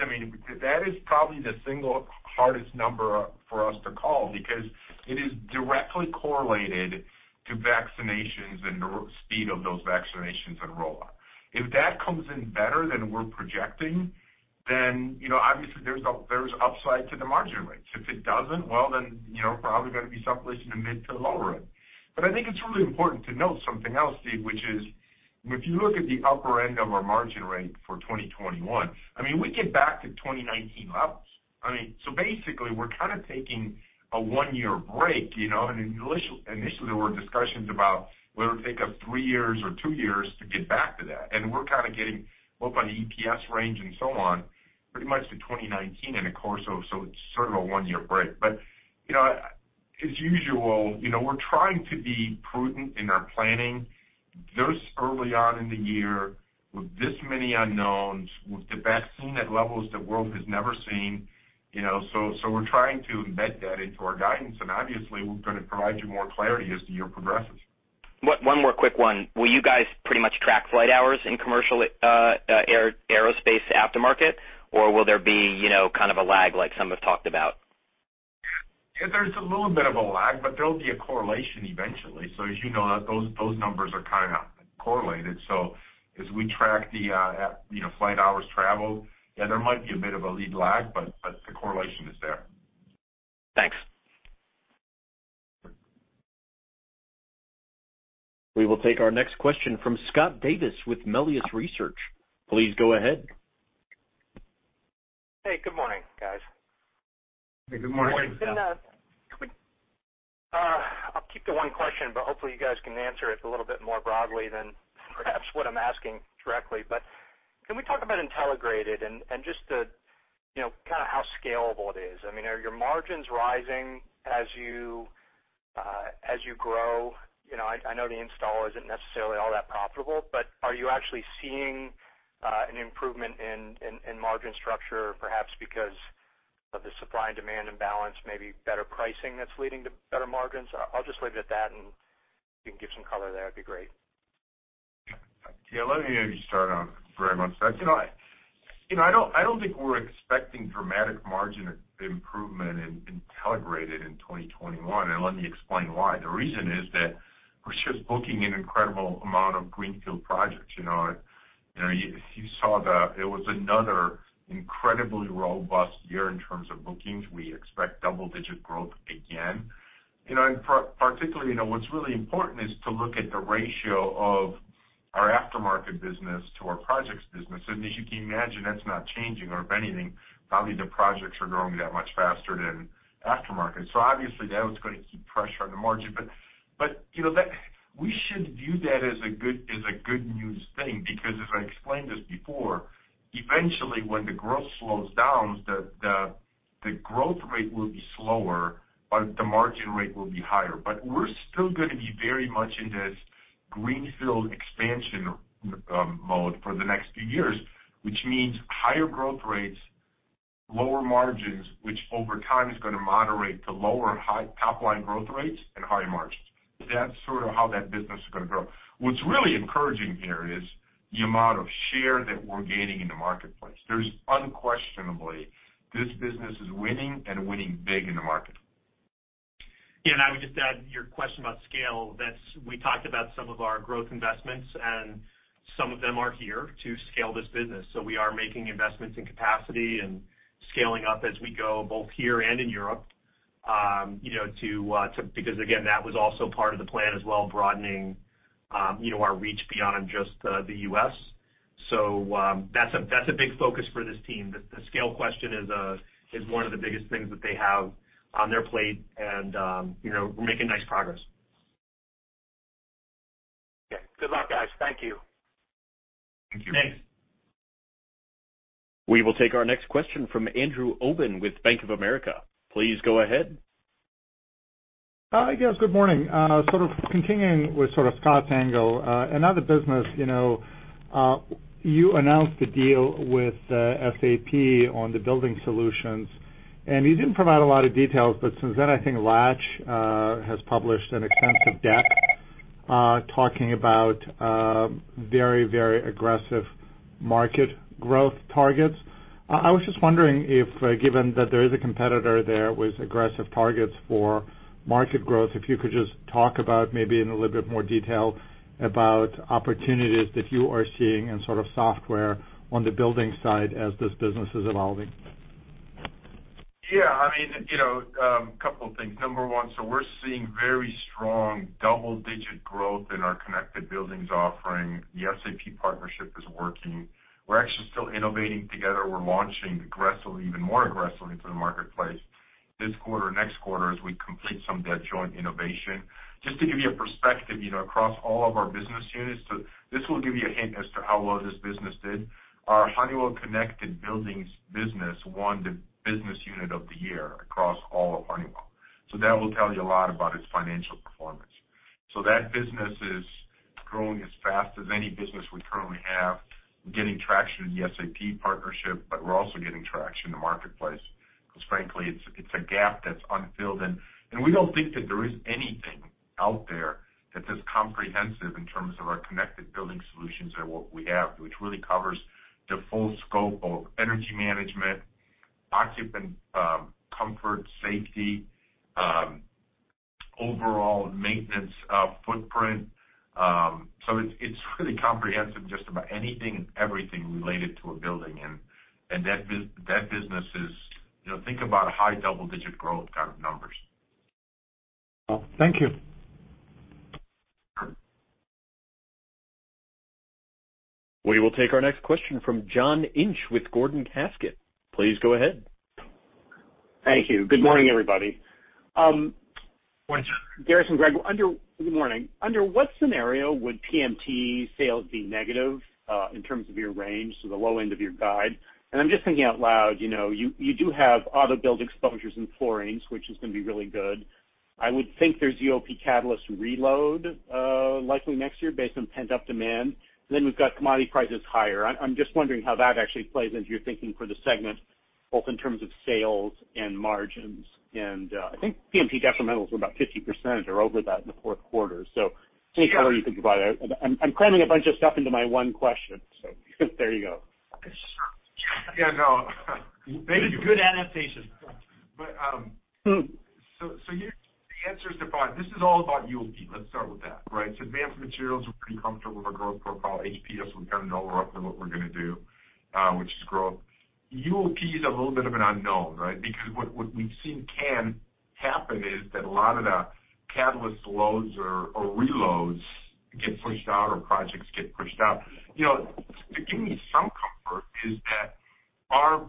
That is probably the single hardest number for us to call because it is directly correlated to vaccinations and the speed of those vaccinations and rollout. If that comes in better than we're projecting, then obviously there's upside to the margin rates. If it doesn't, well, then probably going to be someplace in the mid to lower end. I think it's really important to note something else, Steve, which is, if you look at the upper end of our margin rate for 2021, we get back to 2019 levels. Basically, we're kind of taking a one-year break. Initially there were discussions about whether it would take us three years or two years to get back to that, and we're kind of getting both on the EPS range and so on pretty much to 2019 in a quarter. It's sort of a one-year break. As usual, we're trying to be prudent in our planning this early on in the year with this many unknowns, with the vaccine at levels the world has never seen. We're trying to embed that into our guidance, and obviously we're going to provide you more clarity as the year progresses. One more quick one. Will you guys pretty much track flight hours in commercial aerospace aftermarket, or will there be kind of a lag like some have talked about? There's a little bit of a lag, but there'll be a correlation eventually. As you know, those numbers are kind of correlated. As we track the flight hours traveled, yeah, there might be a bit of a lead lag, but the correlation is there. Thanks. We will take our next question from Scott Davis with Melius Research. Please go ahead. Hey, good morning, guys. Good morning. Good morning, Scott. I'll keep to one question, but hopefully, you guys can answer it a little bit more broadly than perhaps what I'm asking directly. Can we talk about Intelligrated and just the kind of how scalable it is? I mean, are your margins rising as you grow? I know the installer isn't necessarily all that profitable, but are you actually seeing an improvement in margin structure, perhaps because of the supply and demand imbalance, maybe better pricing that's leading to better margins? I'll just leave it at that, and if you can give some color there, that'd be great. Yeah, let me maybe start on very much that. I don't think we're expecting dramatic margin improvement in Intelligrated in 2021, and let me explain why. The reason is that we're just booking an incredible amount of greenfield projects. It was another incredibly robust year in terms of bookings. We expect double-digit growth again. Particularly, what's really important is to look at the ratio of our aftermarket business to our projects business. As you can imagine, that's not changing. If anything, probably the projects are growing that much faster than aftermarket. Obviously, that one's going to keep pressure on the margin. We should view that as a good news thing because as I explained this before, eventually, when the growth slows down, the growth rate will be slower, but the margin rate will be higher. We're still going to be very much in this greenfield expansion mode for the next few years, which means higher growth rates, lower margins, which over time is going to moderate to lower top-line growth rates and higher margins. That's sort of how that business is going to grow. What's really encouraging here is the amount of share that we're gaining in the marketplace. There's unquestionably, this business is winning and winning big in the market. Yeah, I would just add to your question about scale, that we talked about some of our growth investments, and some of them are here to scale this business. We are making investments in capacity and scaling up as we go, both here and in Europe. Again, that was also part of the plan as well, broadening our reach beyond just the U.S. That's a big focus for this team. The scale question is one of the biggest things that they have on their plate, and we're making nice progress. Okay. Good luck, guys. Thank you. Thank you. Thanks. We will take our next question from Andrew Obin with Bank of America. Please go ahead. Hi, guys. Good morning. Sort of continuing with sort of Scott's angle. Another business, you announced the deal with SAP on the building solutions, and you didn't provide a lot of details, but since then, I think Latch has published an extensive deck talking about very aggressive market growth targets. I was just wondering if, given that there is a competitor there with aggressive targets for market growth, if you could just talk about maybe in a little bit more detail about opportunities that you are seeing in sort of software on the building side as this business is evolving. A couple of things. Number one, we're seeing very strong double-digit growth in our Honeywell Connected Buildings offering. The SAP partnership is working. We're actually still innovating together. We're launching even more aggressively into the marketplace this quarter, next quarter, as we complete some of that joint innovation. Just to give you a perspective, across all of our business units, this will give you a hint as to how well this business did. Our Honeywell Connected Buildings business won the business unit of the year across all of Honeywell. That will tell you a lot about its financial performance. That business is growing as fast as any business we currently have. We're getting traction in the SAP partnership, we're also getting traction in the marketplace, because frankly, it's a gap that's unfilled. We don't think that there is anything out there that's as comprehensive in terms of our connected building solutions than what we have, which really covers the full scope of energy management, occupant comfort, safety, overall maintenance footprint. It's really comprehensive, just about anything and everything related to a building. That business is, think about high double-digit growth kind of numbers. Well, thank you. We will take our next question from John Inch with Gordon Haskett. Please go ahead. Thank you. Good morning, everybody. Morning, John. Darius and Greg, good morning. Under what scenario would PMT sales be negative in terms of your range, so the low end of your guide? I'm just thinking out loud, you do have auto build exposures in Fluorine Products, which is going to be really good. I would think there's UOP catalysts in reload likely next year based on pent-up demand. We've got commodity prices higher. I'm just wondering how that actually plays into your thinking for the segment. Both in terms of sales and margins. I think PMT detrimentals were about 50% or over that in the fourth quarter. Any color you can provide. I'm cramming a bunch of stuff into my one question, so there you go. Yeah, no. Thank you. That is good adaptation. Here, the answer is defined. This is all about UOP. Let's start with that, right. Advanced Materials, we're pretty comfortable with our growth profile. HPS, we've earned all roughly what we're going to do, which is grow. UOP is a little bit of an unknown, right. Because what we've seen can happen is that a lot of the catalyst loads or reloads get pushed out, or projects get pushed out. To give me some comfort is that our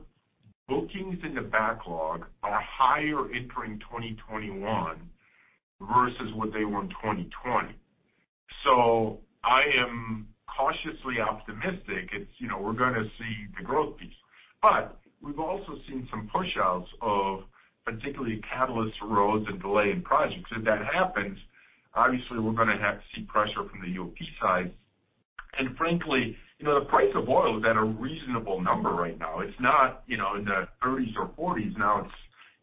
bookings in the backlog are higher entering 2021 versus what they were in 2020. I am cautiously optimistic. We're going to see the growth piece. We've also seen some push outs of particularly catalyst loads and delay in projects. If that happens, obviously we're going to have to see pressure from the UOP side. Frankly, the price of oil is at a reasonable number right now. It's not in the 30s or 40s now, it's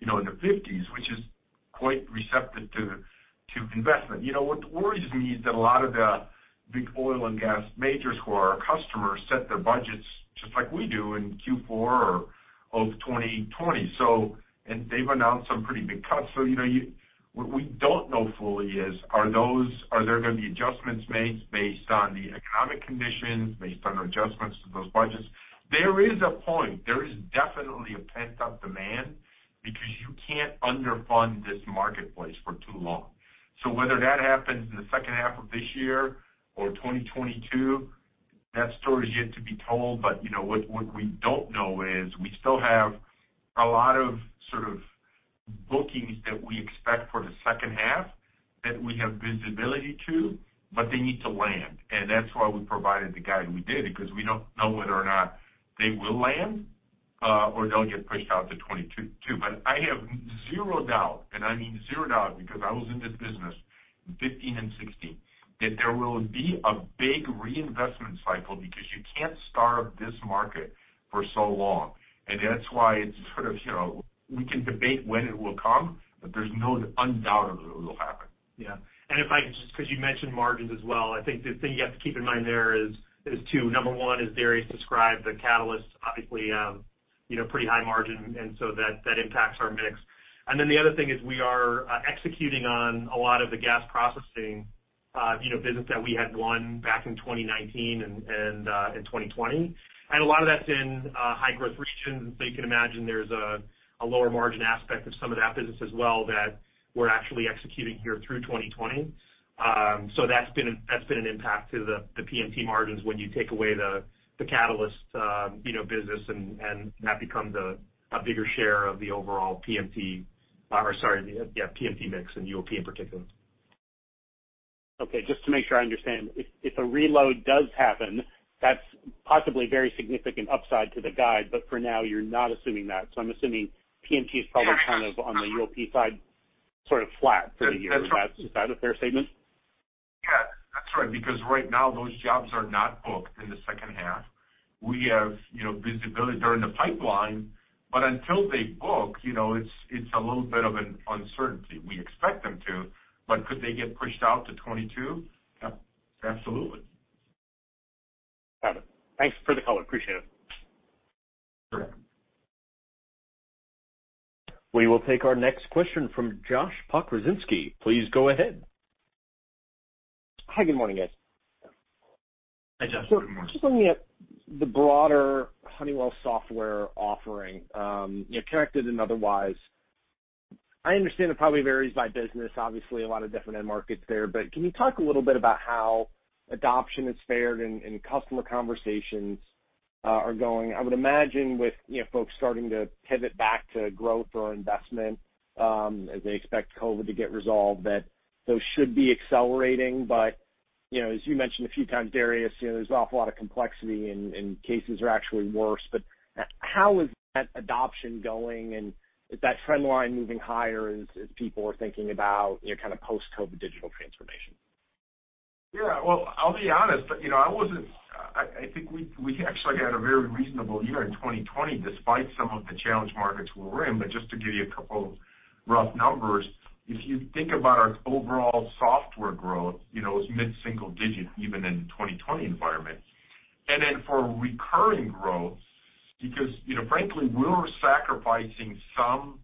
in the 50s, which is quite receptive to investment. What worries me is that a lot of the big oil and gas majors who are our customers set their budgets just like we do in Q4 of 2020. They've announced some pretty big cuts. What we don't know fully is, are there going to be adjustments made based on the economic conditions, based on adjustments to those budgets? There is a point, there is definitely a pent-up demand because you can't underfund this marketplace for too long. Whether that happens in the second half of this year or 2022, that story is yet to be told. What we don't know is we still have a lot of sort of bookings that we expect for the second half that we have visibility to, but they need to land. That's why we provided the guide we did, because we don't know whether or not they will land, or they'll get pushed out to 2022. I have zero doubt, and I mean zero doubt, because I was in this business in 2015 and 2016, that there will be a big reinvestment cycle because you can't starve this market for so long. That's why it's sort of we can debate when it will come, but there's no doubt it will happen. Yeah. If I just, because you mentioned margins as well, I think the thing you have to keep in mind there is two. Number one, as Darius described, the catalyst obviously pretty high margin, that impacts our mix. Then the other thing is we are executing on a lot of the gas processing business that we had won back in 2019 and in 2020. A lot of that's in high-growth regions. You can imagine there's a lower margin aspect of some of that business as well that we're actually executing here through 2020. That's been an impact to the PMT margins when you take away the catalyst business and that becomes a bigger share of the overall PMT, or sorry, yeah, PMT mix and UOP in particular. Okay, just to make sure I understand. If a reload does happen, that's possibly very significant upside to the guide, but for now, you're not assuming that. I'm assuming PMT is probably kind of on the UOP side, sort of flat for the year. That's right. Is that a fair statement? Yeah, that's right. Right now those jobs are not booked in the second half. We have visibility. They're in the pipeline, but until they book, it's a little bit of an uncertainty. We expect them to, but could they get pushed out to 2022? Absolutely. Got it. Thanks for the color. Appreciate it. Sure. We will take our next question from Josh Pokrzywinski. Please go ahead. Hi, good morning, guys. Hi, Josh. Good morning. Just looking at the broader Honeywell software offering, connected and otherwise, I understand it probably varies by business, obviously a lot of different end markets there, but can you talk a little bit about how adoption has fared and customer conversations are going? I would imagine with folks starting to pivot back to growth or investment, as they expect COVID-19 to get resolved, that those should be accelerating. As you mentioned a few times, Darius, there's an awful lot of complexity and cases are actually worse. How is that adoption going, and is that trend line moving higher as people are thinking about kind of post-COVID-19 digital transformation? I'll be honest. I think we actually had a very reasonable year in 2020 despite some of the challenged markets we were in. Just to give you a couple of rough numbers, if you think about our overall software growth, it was mid-single digit even in the 2020 environment. For recurring growth, because frankly, we're sacrificing some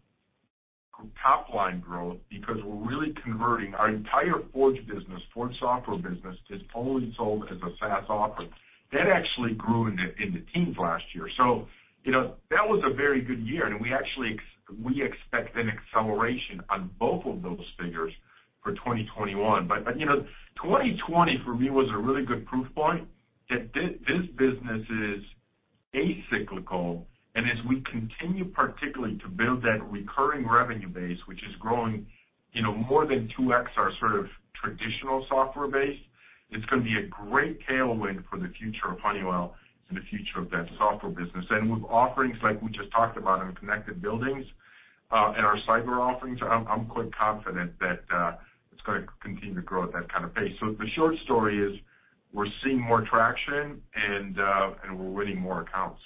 top-line growth because we're really converting our entire Forge business, Forge software business, is only sold as a SaaS offering. That actually grew in the teens last year. That was a very good year, and we expect an acceleration on both of those figures for 2021. 2020 for me was a really good proof point that this business is acyclical, and as we continue particularly to build that recurring revenue base, which is growing more than 2x our sort of traditional software base, it's going to be a great tailwind for the future of Honeywell and the future of that software business. With offerings like we just talked about in Connected Buildings and our cyber offerings, I'm quite confident that it's going to continue to grow at that kind of pace. The short story is we're seeing more traction and we're winning more accounts.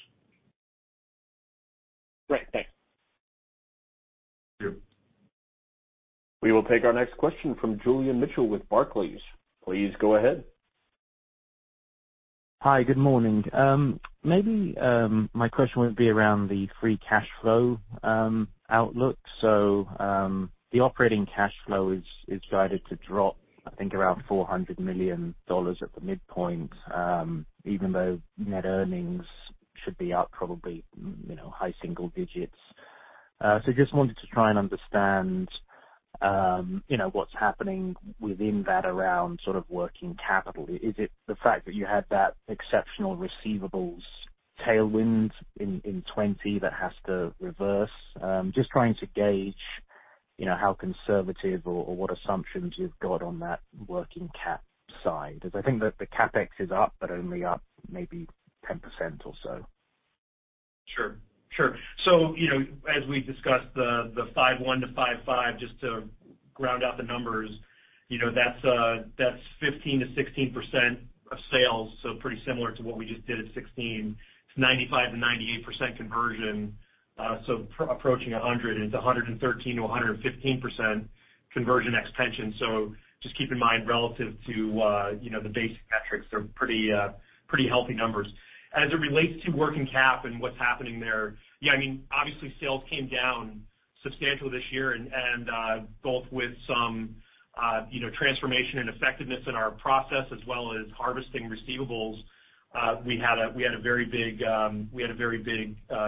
Great. Thanks. Sure. We will take our next question from Julian Mitchell with Barclays. Please go ahead. Hi, good morning. Maybe my question would be around the free cash flow outlook. The operating cash flow is guided to drop, I think around $400 million at the midpoint, even though net earnings should be up probably high single digits. Just wanted to try and understand what's happening within that around sort of working capital. Is it the fact that you had that exceptional receivables tailwind in 2020 that has to reverse? Just trying to gauge how conservative or what assumptions you've got on that working cap side. I think that the CapEx is up, but only up maybe 10% or so. Sure. As we discussed the 5.1-5.5, just to ground out the numbers, that's 15%-16% of sales, pretty similar to what we just did at 16%. It's 95%-98% conversion, approaching 100%, and it's 113%-115% conversion extension. Just keep in mind relative to the basic metrics, they're pretty healthy numbers. As it relates to working cap and what's happening there, obviously sales came down substantially this year, and both with some transformation and effectiveness in our process as well as harvesting receivables, we had a very big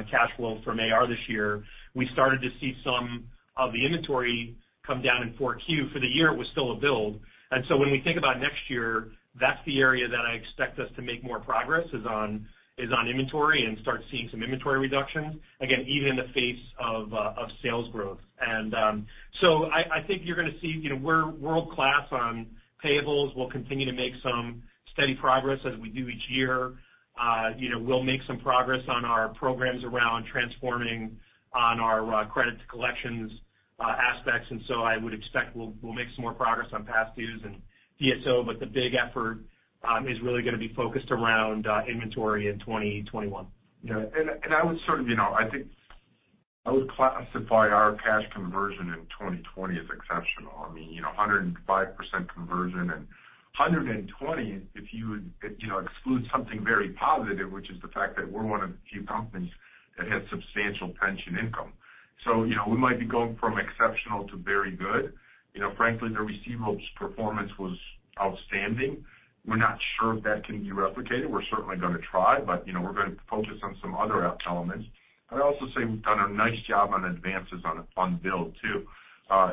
cash flow from AR this year. We started to see some of the inventory come down in Q4. For the year, it was still a build. When we think about next year, that's the area that I expect us to make more progress is on inventory and start seeing some inventory reduction, again, even in the face of sales growth. I think you're going to see we're world-class on payables. We'll continue to make some steady progress as we do each year. We'll make some progress on our programs around transforming on our credit to collections aspects. I would expect we'll make some more progress on past dues and DSO, but the big effort is really going to be focused around inventory in 2021. Yeah. I think I would classify our cash conversion in 2020 as exceptional. I mean, 105% conversion and 120% if you would exclude something very positive, which is the fact that we're one of the few companies that had substantial pension income. We might be going from exceptional to very good. Frankly, the receivables performance was outstanding. We're not sure if that can be replicated. We're certainly going to try, but we're going to focus on some other elements. I'd also say we've done a nice job on advances on build, too,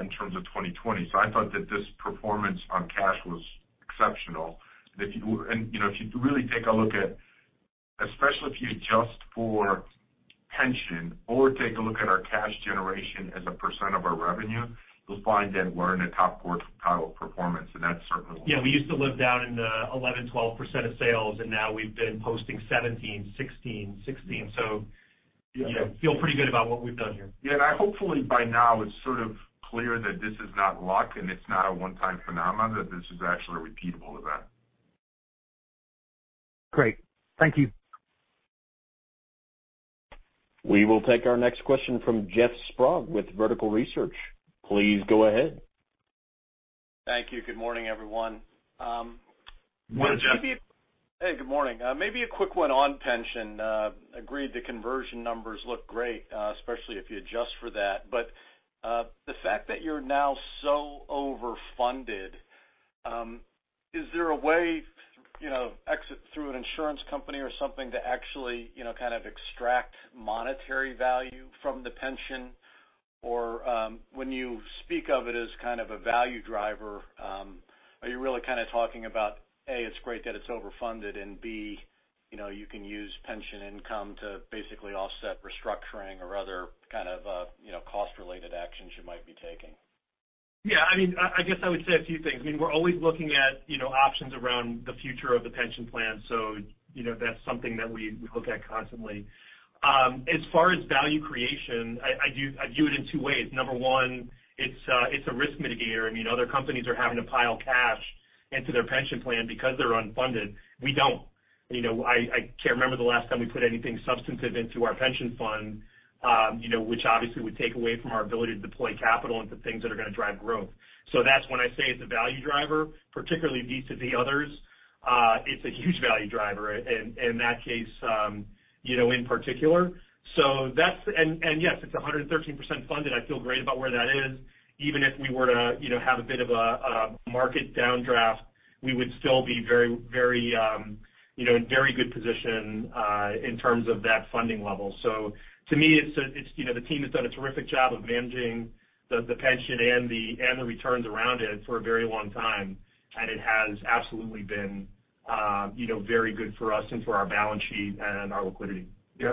in terms of 2020. I thought that this performance on cash was exceptional. If you'd really take a look at, especially if you adjust for pension or take a look at our cash generation as a percent of our revenue, you'll find that we're in the top quartile performance. Yeah, we used to live down in the 11%-12% of sales, and now we've been posting 17%, 16%, 16%. Yeah feel pretty good about what we've done here. Yeah, hopefully by now it's sort of clear that this is not luck and it's not a one-time phenomenon, that this is actually a repeatable event. Great. Thank you. We will take our next question from Jeff Sprague with Vertical Research. Please go ahead. Thank you. Good morning, everyone. Morning, Jeff. Hey, good morning. Maybe a quick one on pension. Agreed, the conversion numbers look great, especially if you adjust for that. The fact that you're now so overfunded, is there a way through an insurance company or something to actually kind of extract monetary value from the pension? When you speak of it as kind of a value driver, are you really kind of talking about, A, it's great that it's overfunded, and B, you can use pension income to basically offset restructuring or other kind of cost-related actions you might be taking? I guess I would say a few things. We're always looking at options around the future of the pension plan, that's something that we look at constantly. As far as value creation, I view it in two ways. Number one, it's a risk mitigator. Other companies are having to pile cash into their pension plan because they're unfunded. We don't. I can't remember the last time we put anything substantive into our pension fund, which obviously would take away from our ability to deploy capital into things that are going to drive growth. That's when I say it's a value driver, particularly vis-à-vis others. It's a huge value driver in that case in particular. Yes, it's 113% funded. I feel great about where that is. Even if we were to have a bit of a market downdraft, we would still be in a very good position in terms of that funding level. To me, the team has done a terrific job of managing the pension and the returns around it for a very long time, and it has absolutely been very good for us and for our balance sheet and our liquidity. Yeah.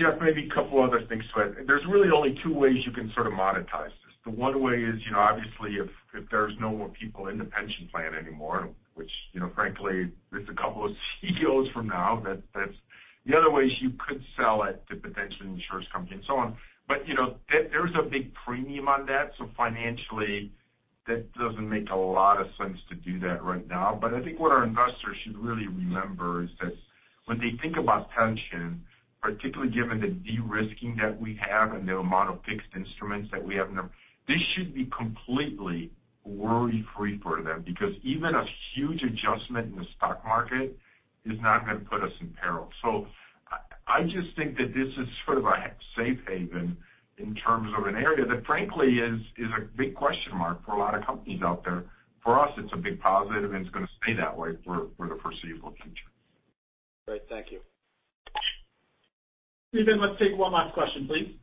Jeff, maybe a couple other things to it. There is really only two ways you can sort of monetize this. The one way is obviously if there is no more people in the pension plan anymore, which frankly, it is a couple of CEOs from now. The other way is you could sell it to potentially an insurance company and so on. There is a big premium on that, so financially that doesn't make a lot of sense to do that right now. I think what our investors should really remember is that when they think about pension, particularly given the de-risking that we have and the amount of fixed instruments that we have now, this should be completely worry-free for them, because even a huge adjustment in the stock market is not going to put us in peril. I just think that this is sort of a safe haven in terms of an area that frankly, is a big question mark for a lot of companies out there. For us, it's a big positive, and it's going to stay that way for the foreseeable future. Great. Thank you. Steven, let's take one last question, please.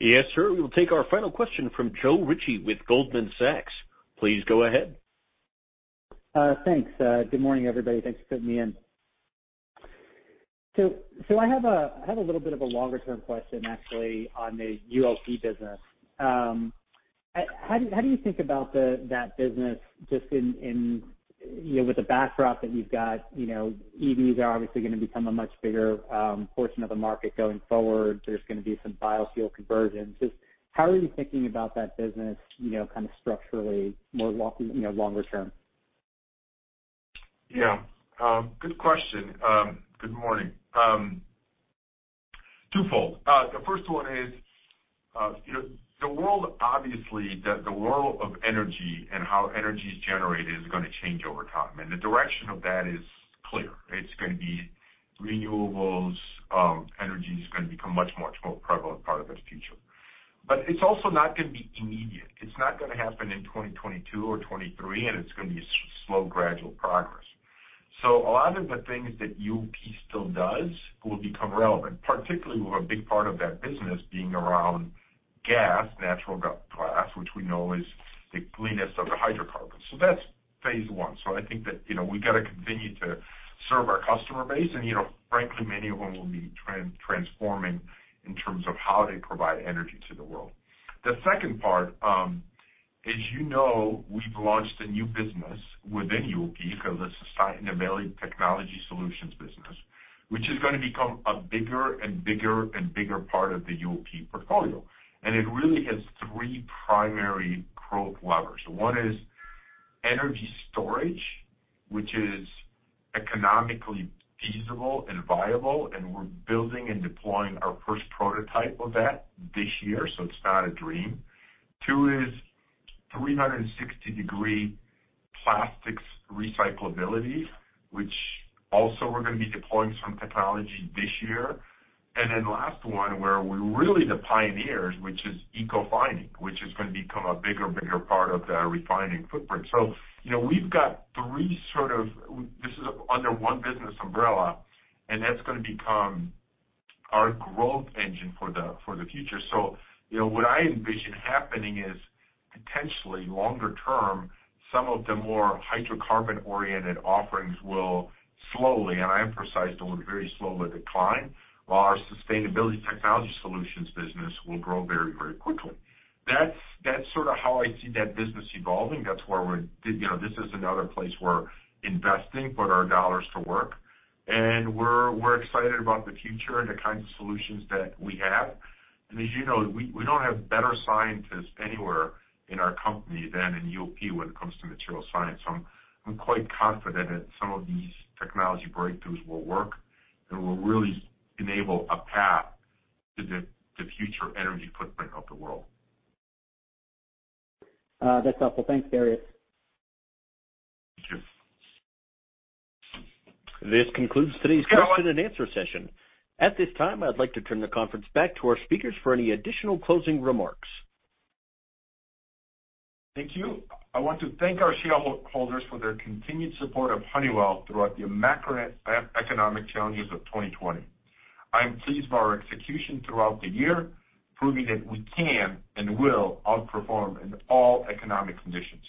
Yes, sir. We will take our final question from Joe Ritchie with Goldman Sachs. Please go ahead. Thanks. Good morning, everybody. Thanks for fitting me in. I have a little bit of a longer-term question, actually, on the UOP business. How do you think about that business with the backdrop that you've got, EVs are obviously going to become a much bigger portion of the market going forward. There's going to be some biofuel conversions. How are you thinking about that business kind of structurally more longer-term? Yeah. Good question. Good morning. 2x. The first one is the world, obviously, the world of energy and how energy is generated is going to change over time, and the direction of that is clear. It's going to be renewables. Energy is going to become much more prevalent part of this future. It's also not going to be immediate. It's not going to happen in 2022 or 2023. It's going to be slow, gradual progress. A lot of the things that UOP still does will become relevant, particularly with a big part of that business being around gas, natural gas, which we know is the cleanest of the hydrocarbons. That's phase one. I think that we got to continue to serve our customer base. Frankly, many of them will be transforming in terms of how they provide energy to the world. The second part, as you know, we've launched a new business within UOP called the Sustainability Technology Solutions business, which is going to become a bigger and bigger part of the UOP portfolio. It really has three primary growth levers. One is energy storage, which is economically feasible and viable, and we're building and deploying our first prototype of that this year. It's not a dream. Two is 360 degree plastics recyclability, which also we're going to be deploying some technology this year. Last one, where we're really the pioneers, which is Ecofining, which is going to become a bigger part of the refining footprint. We've got three this is under one business umbrella, and that's going to become our growth engine for the future. What I envision happening is potentially longer term, some of the more hydrocarbon-oriented offerings will slowly, and I emphasize the word very slowly, decline, while our Sustainability Technology Solutions business will grow very quickly. That's sort of how I see that business evolving. This is another place we're investing, put our dollars to work, and we're excited about the future and the kinds of solutions that we have. As you know, we don't have better scientists anywhere in our company than in UOP when it comes to material science. I'm quite confident that some of these technology breakthroughs will work and will really enable a path to the future energy footprint of the world. That's helpful. Thanks, Darius. Thank you. This concludes today's question and answer session. At this time, I'd like to turn the conference back to our speakers for any additional closing remarks. Thank you. I want to thank our shareholders for their continued support of Honeywell throughout the macroeconomic challenges of 2020. I am pleased by our execution throughout the year, proving that we can and will outperform in all economic conditions.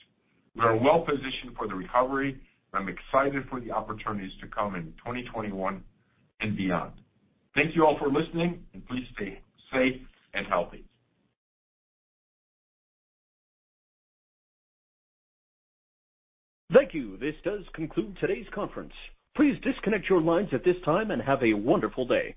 We are well positioned for the recovery, and I'm excited for the opportunities to come in 2021 and beyond. Thank you all for listening, and please stay safe and healthy. Thank you. This does conclude today's conference. Please disconnect your lines at this time and have a wonderful day.